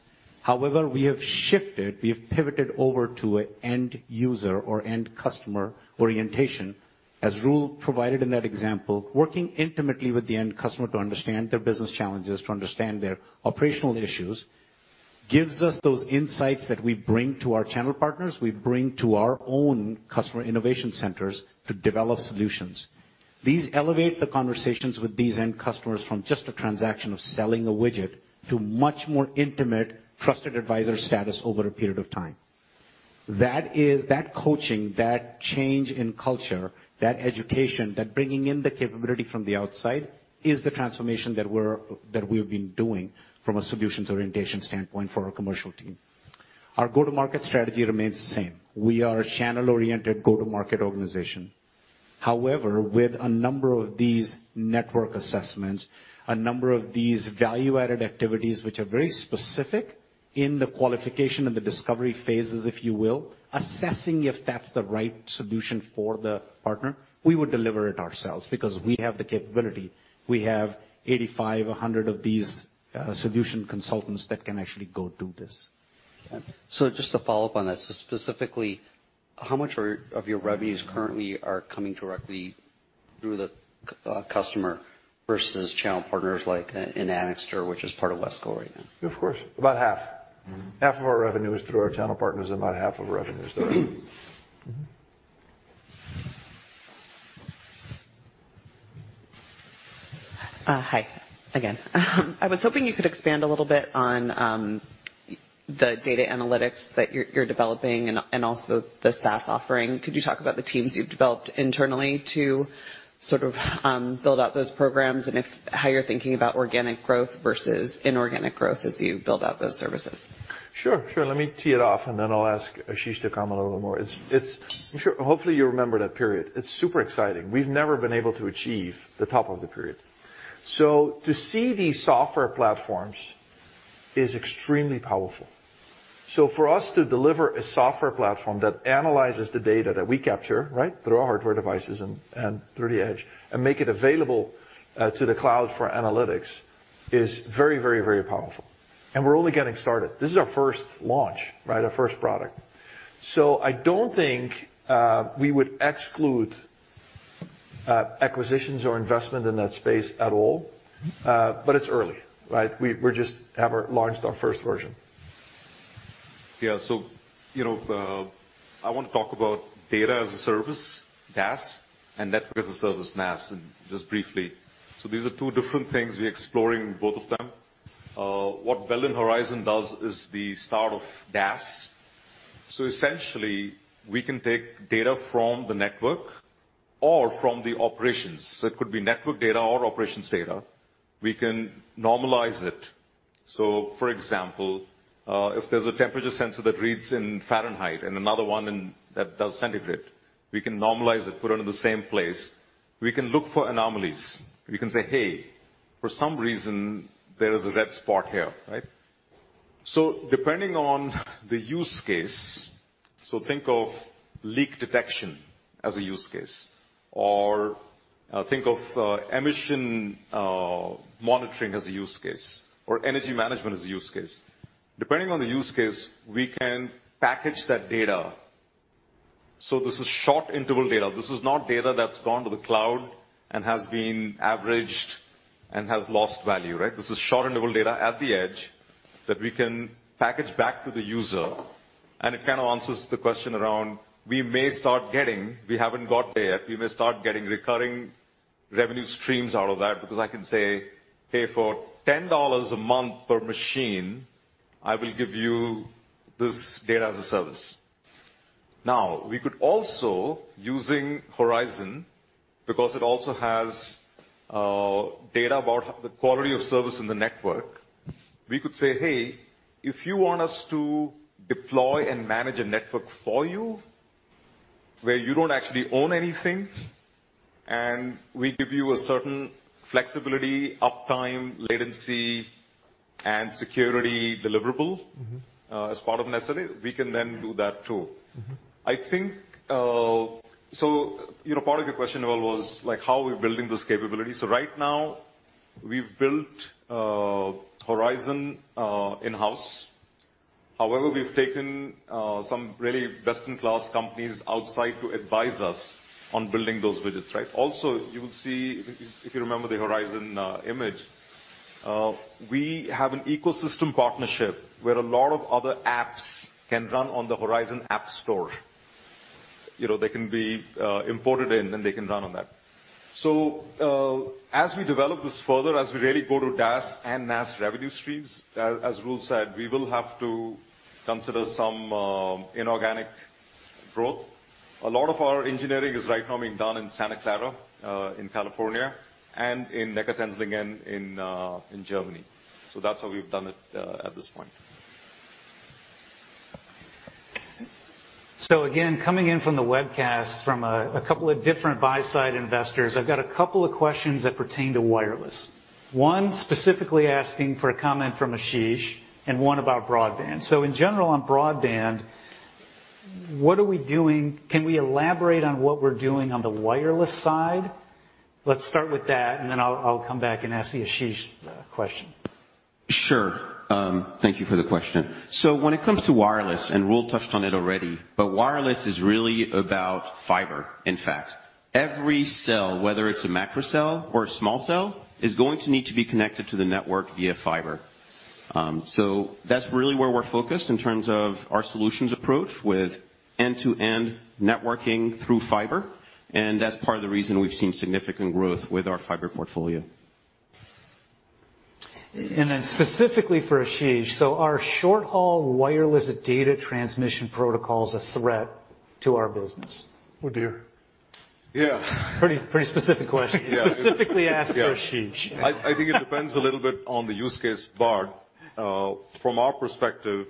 However, we have shifted, we have pivoted over to an end user or end customer orientation. As Roel provided in that example, working intimately with the end customer to understand their business challenges, to understand their operational issues, gives us those insights that we bring to our channel partners, we bring to our own customer innovation centers to develop solutions. These elevate the conversations with these end customers from just a transaction of selling a widget to much more intimate trusted advisor status over a period of time. That coaching, that change in culture, that education, that bringing in the capability from the outside is the transformation that we've been doing from a solutions orientation standpoint for our commercial team. Our go-to-market strategy remains the same. We are a channel-oriented go-to-market organization. However, with a number of these network assessments, a number of these value-added activities, which are very specific in the qualification and the discovery phases, if you will, assessing if that's the right solution for the partner, we would deliver it ourselves because we have the capability. We have 85-100 of these solution consultants that can actually go do this. Just to follow up on that. Specifically, how much of your revenues currently are coming directly through the customer versus channel partners like Anixter, which is part of Wesco right now? Of course. About half. Mm-hmm. Half of our revenue is through our channel partners. Mm-hmm. Hi again. I was hoping you could expand a little bit on the data analytics that you're developing and also the SaaS offering. Could you talk about the teams you've developed internally to sort of build out those programs and how you're thinking about organic growth versus inorganic growth as you build out those services? Sure. Let me tee it off, and then I'll ask Ashish to comment a little more. Hopefully, you remember that period. It's super exciting. We've never been able to achieve the top of the period. To see these software platforms is extremely powerful. For us to deliver a software platform that analyzes the data that we capture, right, through our hardware devices and through the edge, and make it available to the cloud for analytics is very, very, very powerful. We're only getting started. This is our first launch, right? Our first product. I don't think we would exclude acquisitions or investment in that space at all. It's early, right? We've just launched our first version. Yeah. You know, I want to talk about data as a service, DaaS, and network as a service, NaaS. And just briefly. These are two different things, we're exploring both of them. What Belden Horizon does is the start of DaaS. Essentially, we can take data from the network or from the operations. It could be network data or operations data. We can normalize it. For example, if there's a temperature sensor that reads in degrees Fahrenheit and another one that does degrees Celsius, we can normalize it, put it in the same place. We can look for anomalies. We can say, "Hey, for some reason, there is a red spot here." Right? Depending on the use case, so think of leak detection as a use case, or think of emission monitoring as a use case, or energy management as a use case. Depending on the use case, we can package that data. This is short interval data. This is not data that's gone to the cloud and has been averaged and has lost value, right? This is short interval data at the edge that we can package back to the user, and it kind of answers the question around we may start getting. We haven't got there yet. We may start getting recurring revenue streams out of that, because I can say, "Hey, for $10 a month per machine, I will give you this data as a service." Now, we could also, using Horizon, because it also has data about the quality of service in the network, we could say, "Hey, if you want us to deploy and manage a network for you where you don't actually own anything, and we give you a certain flexibility, uptime, latency, and security deliverable, as part of NaaS, we can then do that too. Mm-hmm. I think, so, you know, part of your question as well was, like, how are we building this capability? Right now, we've built Horizon in-house. However, we've taken some really best-in-class companies outside to advise us on building those widgets, right? Also, you will see, if you remember the Horizon image, we have an ecosystem partnership where a lot of other apps can run on the Horizon app store. You know, they can be imported in, then they can run on that. As we develop this further, as we really go to DaaS and NaaS revenue streams, as Roel said, we will have to consider some inorganic growth. A lot of our engineering is right now being done in Santa Clara in California and in Neckarsulm again in Germany. That's how we've done it at this point. Again, coming in from the webcast from a couple of different buy-side investors, I've got a couple of questions that pertain to wireless. One specifically asking for a comment from Ashish and one about broadband. In general, on broadband, what are we doing? Can we elaborate on what we're doing on the wireless side? Let's start with that, and then I'll come back and ask the Ashish question. Sure. Thank you for the question. When it comes to wireless, and Roel touched on it already, but wireless is really about fiber, in fact. Every cell, whether it's a macro cell or a small cell, is going to need to be connected to the network via fiber. That's really where we're focused in terms of our solutions approach with end-to-end networking through fiber, and that's part of the reason we've seen significant growth with our fiber portfolio. Specifically for Ashish, so are short-haul wireless data transmission protocols a threat to our business? Oh, dear. Yeah. Pretty specific question. Yeah. Specifically asked for Ashish. I think it depends a little bit on the use case, Bart. From our perspective,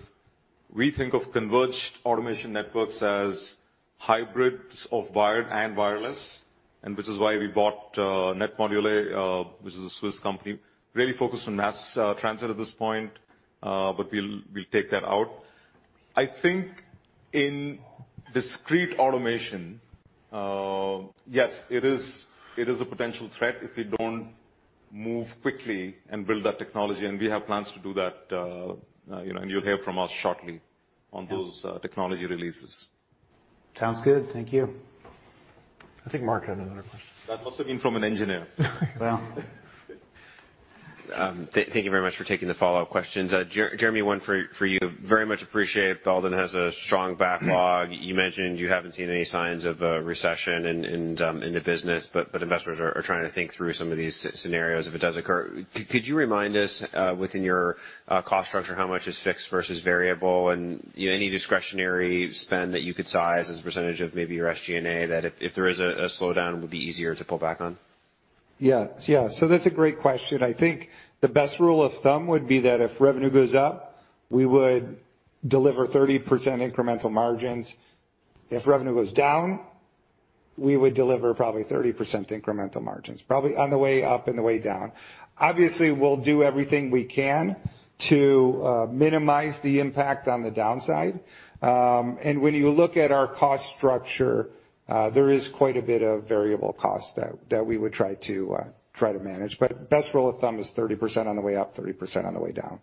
we think of converged automation networks as hybrids of wired and wireless, and which is why we bought NetModule, which is a Swiss company, really focused on mass transit at this point, but we'll take that out. I think in discrete automation, yes, it is a potential threat if we don't move quickly and build that technology, and we have plans to do that, you know, and you'll hear from us shortly on those technology releases. Sounds good. Thank you. I think Mark had another question. That must have been from an engineer. Well... Thank you very much for taking the follow-up questions. Jeremy, one for you. Very much appreciate Belden has a strong backlog. You mentioned you haven't seen any signs of a recession in the business, but investors are trying to think through some of these scenarios if it does occur. Could you remind us, within your cost structure, how much is fixed versus variable? And, you know, any discretionary spend that you could size as a percentage of maybe your SG&A that if there is a slowdown, would be easier to pull back on? Yes. Yeah. That's a great question. I think the best rule of thumb would be that if revenue goes up, we would deliver 30% incremental margins. If revenue goes down, we would deliver probably 30% incremental margins, probably on the way up and the way down. Obviously, we'll do everything we can to minimize the impact on the downside. When you look at our cost structure, there is quite a bit of variable cost that we would try to manage. Best rule of thumb is 30% on the way up, 30% on the way down.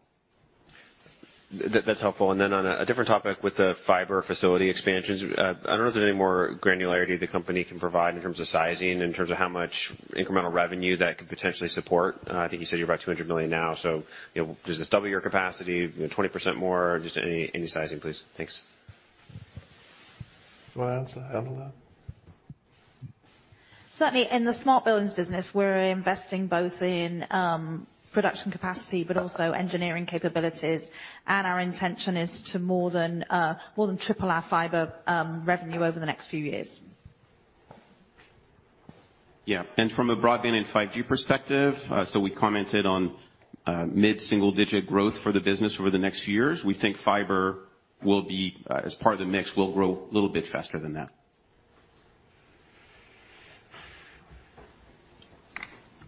That's helpful. Then on a different topic with the fiber facility expansions, I don't know if there's any more granularity the company can provide in terms of sizing, in terms of how much incremental revenue that could potentially support. I think you said you're about $200 million now, so, you know, does this double your capacity, you know, 20% more? Just any sizing, please. Thanks. You want to answer, Julie? Certainly. In the smart buildings business, we're investing both in production capacity, but also engineering capabilities. Our intention is to more than triple our fiber revenue over the next few years. Yeah. From a broadband and 5G perspective, so we commented on mid-single-digit growth for the business over the next few years. We think fiber will be as part of the mix, will grow a little bit faster than that.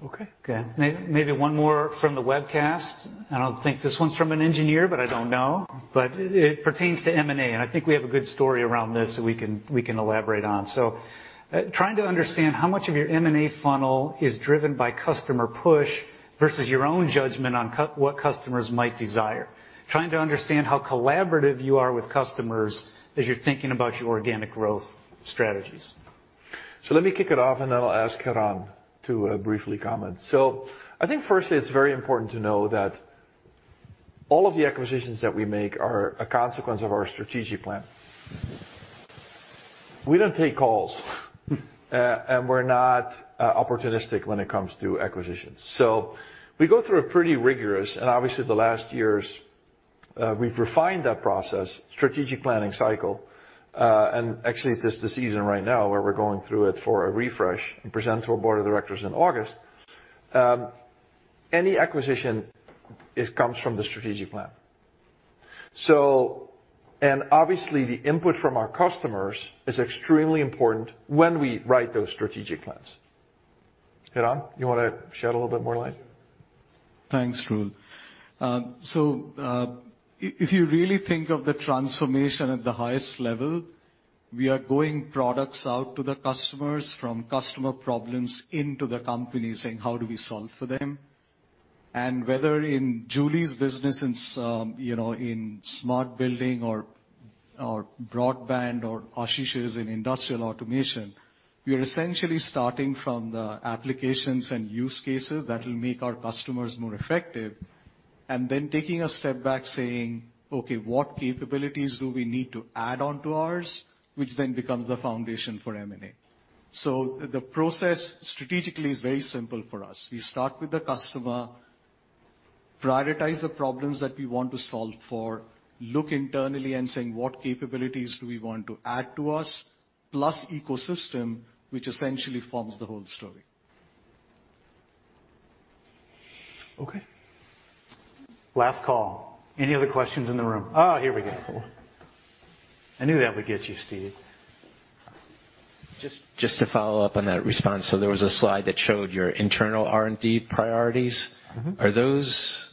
Okay. Okay. Maybe one more from the webcast. I don't think this one's from an engineer, but I don't know. It pertains to M&A, and I think we have a good story around this that we can elaborate on. Trying to understand how much of your M&A funnel is driven by customer push versus your own judgment on what customers might desire. Trying to understand how collaborative you are with customers as you're thinking about your organic growth strategies. Let me kick it off, and then I'll ask Hiran to briefly comment. I think firstly, it's very important to know that all of the acquisitions that we make are a consequence of our strategic plan. We don't take calls. We're not opportunistic when it comes to acquisitions. We go through a pretty rigorous, and obviously, the last years, we've refined that process, strategic planning cycle, and actually, it's the season right now where we're going through it for a refresh and present to our board of directors in August. Any acquisition, it comes from the strategic plan. Obviously, the input from our customers is extremely important when we write those strategic plans. Hiran, you wanna shed a little bit more light? Thanks, Roel. If you really think of the transformation at the highest level, we are going products out to the customers from customer problems into the company saying, "How do we solve for them?" Whether in Julie's business in smart building or broadband or Ashish's in industrial automation, we are essentially starting from the applications and use cases that will make our customers more effective, and then taking a step back saying, "Okay, what capabilities do we need to add onto ours?" Which then becomes the foundation for M&A. The process strategically is very simple for us. We start with the customer, prioritize the problems that we want to solve for, look internally and saying, what capabilities do we want to add to us, plus ecosystem, which essentially forms the whole story. Okay. Last call. Any other questions in the room? Oh, here we go. I knew that would get you, Steve. Just to follow up on that response. There was a slide that showed your internal R&D priorities. Mm-hmm. Are those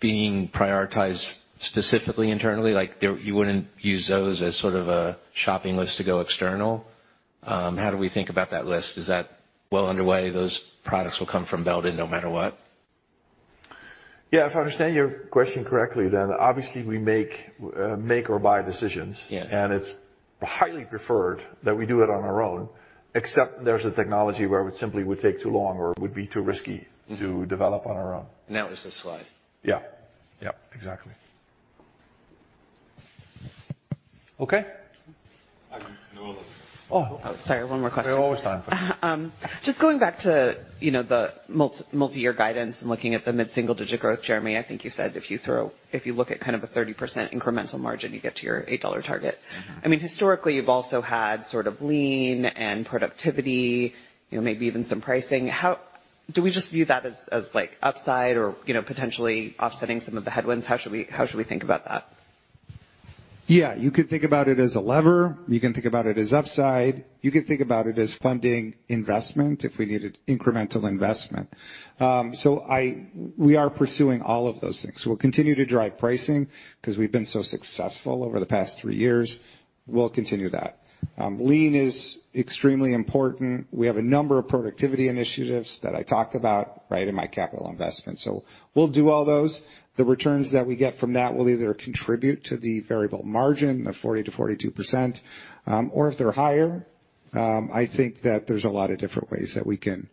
being prioritized specifically internally? Like, they're, you wouldn't use those as sort of a shopping list to go external? How do we think about that list? Is that well underway, those products will come from Belden no matter what? Yeah, if I understand your question correctly, then obviously we make or buy decisions. Yeah. It's highly preferred that we do it on our own, except there's a technology where it simply would take too long or would be too risky. Mm-hmm. to develop on our own. That was the slide. Yeah. Yeah, exactly. Okay. No other. Oh. Sorry, one more question. We have time for one more. Just going back to, you know, the multi-year guidance and looking at the mid-single-digit growth, Jeremy, I think you said if you look at kind of a 30% incremental margin, you get to your $8 target. Mm-hmm. I mean, historically, you've also had sort of lean and productivity, you know, maybe even some pricing. How do we just view that as like upside or, you know, potentially offsetting some of the headwinds? How should we think about that? Yeah, you could think about it as a lever. You can think about it as upside. You could think about it as funding investment if we needed incremental investment. We are pursuing all of those things. We'll continue to drive pricing 'cause we've been so successful over the past three years. We'll continue that. Lean is extremely important. We have a number of productivity initiatives that I talk about, right, in my capital investment. We'll do all those. The returns that we get from that will either contribute to the variable margin of 40%-42%, or if they're higher, I think that there's a lot of different ways that we can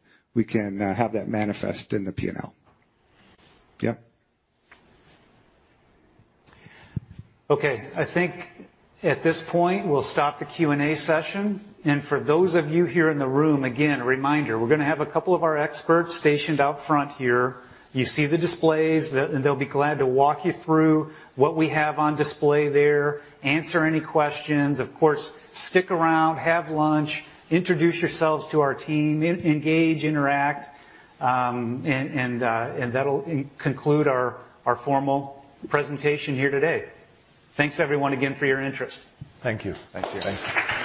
have that manifest in the P&L. Yeah. Okay. I think at this point, we'll stop the Q&A session. For those of you here in the room, again, a reminder, we're gonna have a couple of our experts stationed out front here. You see the displays. They'll be glad to walk you through what we have on display there, answer any questions. Of course, stick around, have lunch, introduce yourselves to our team, engage, interact, and that'll conclude our formal presentation here today. Thanks, everyone, again for your interest. Thank you. Thank you. Thank you.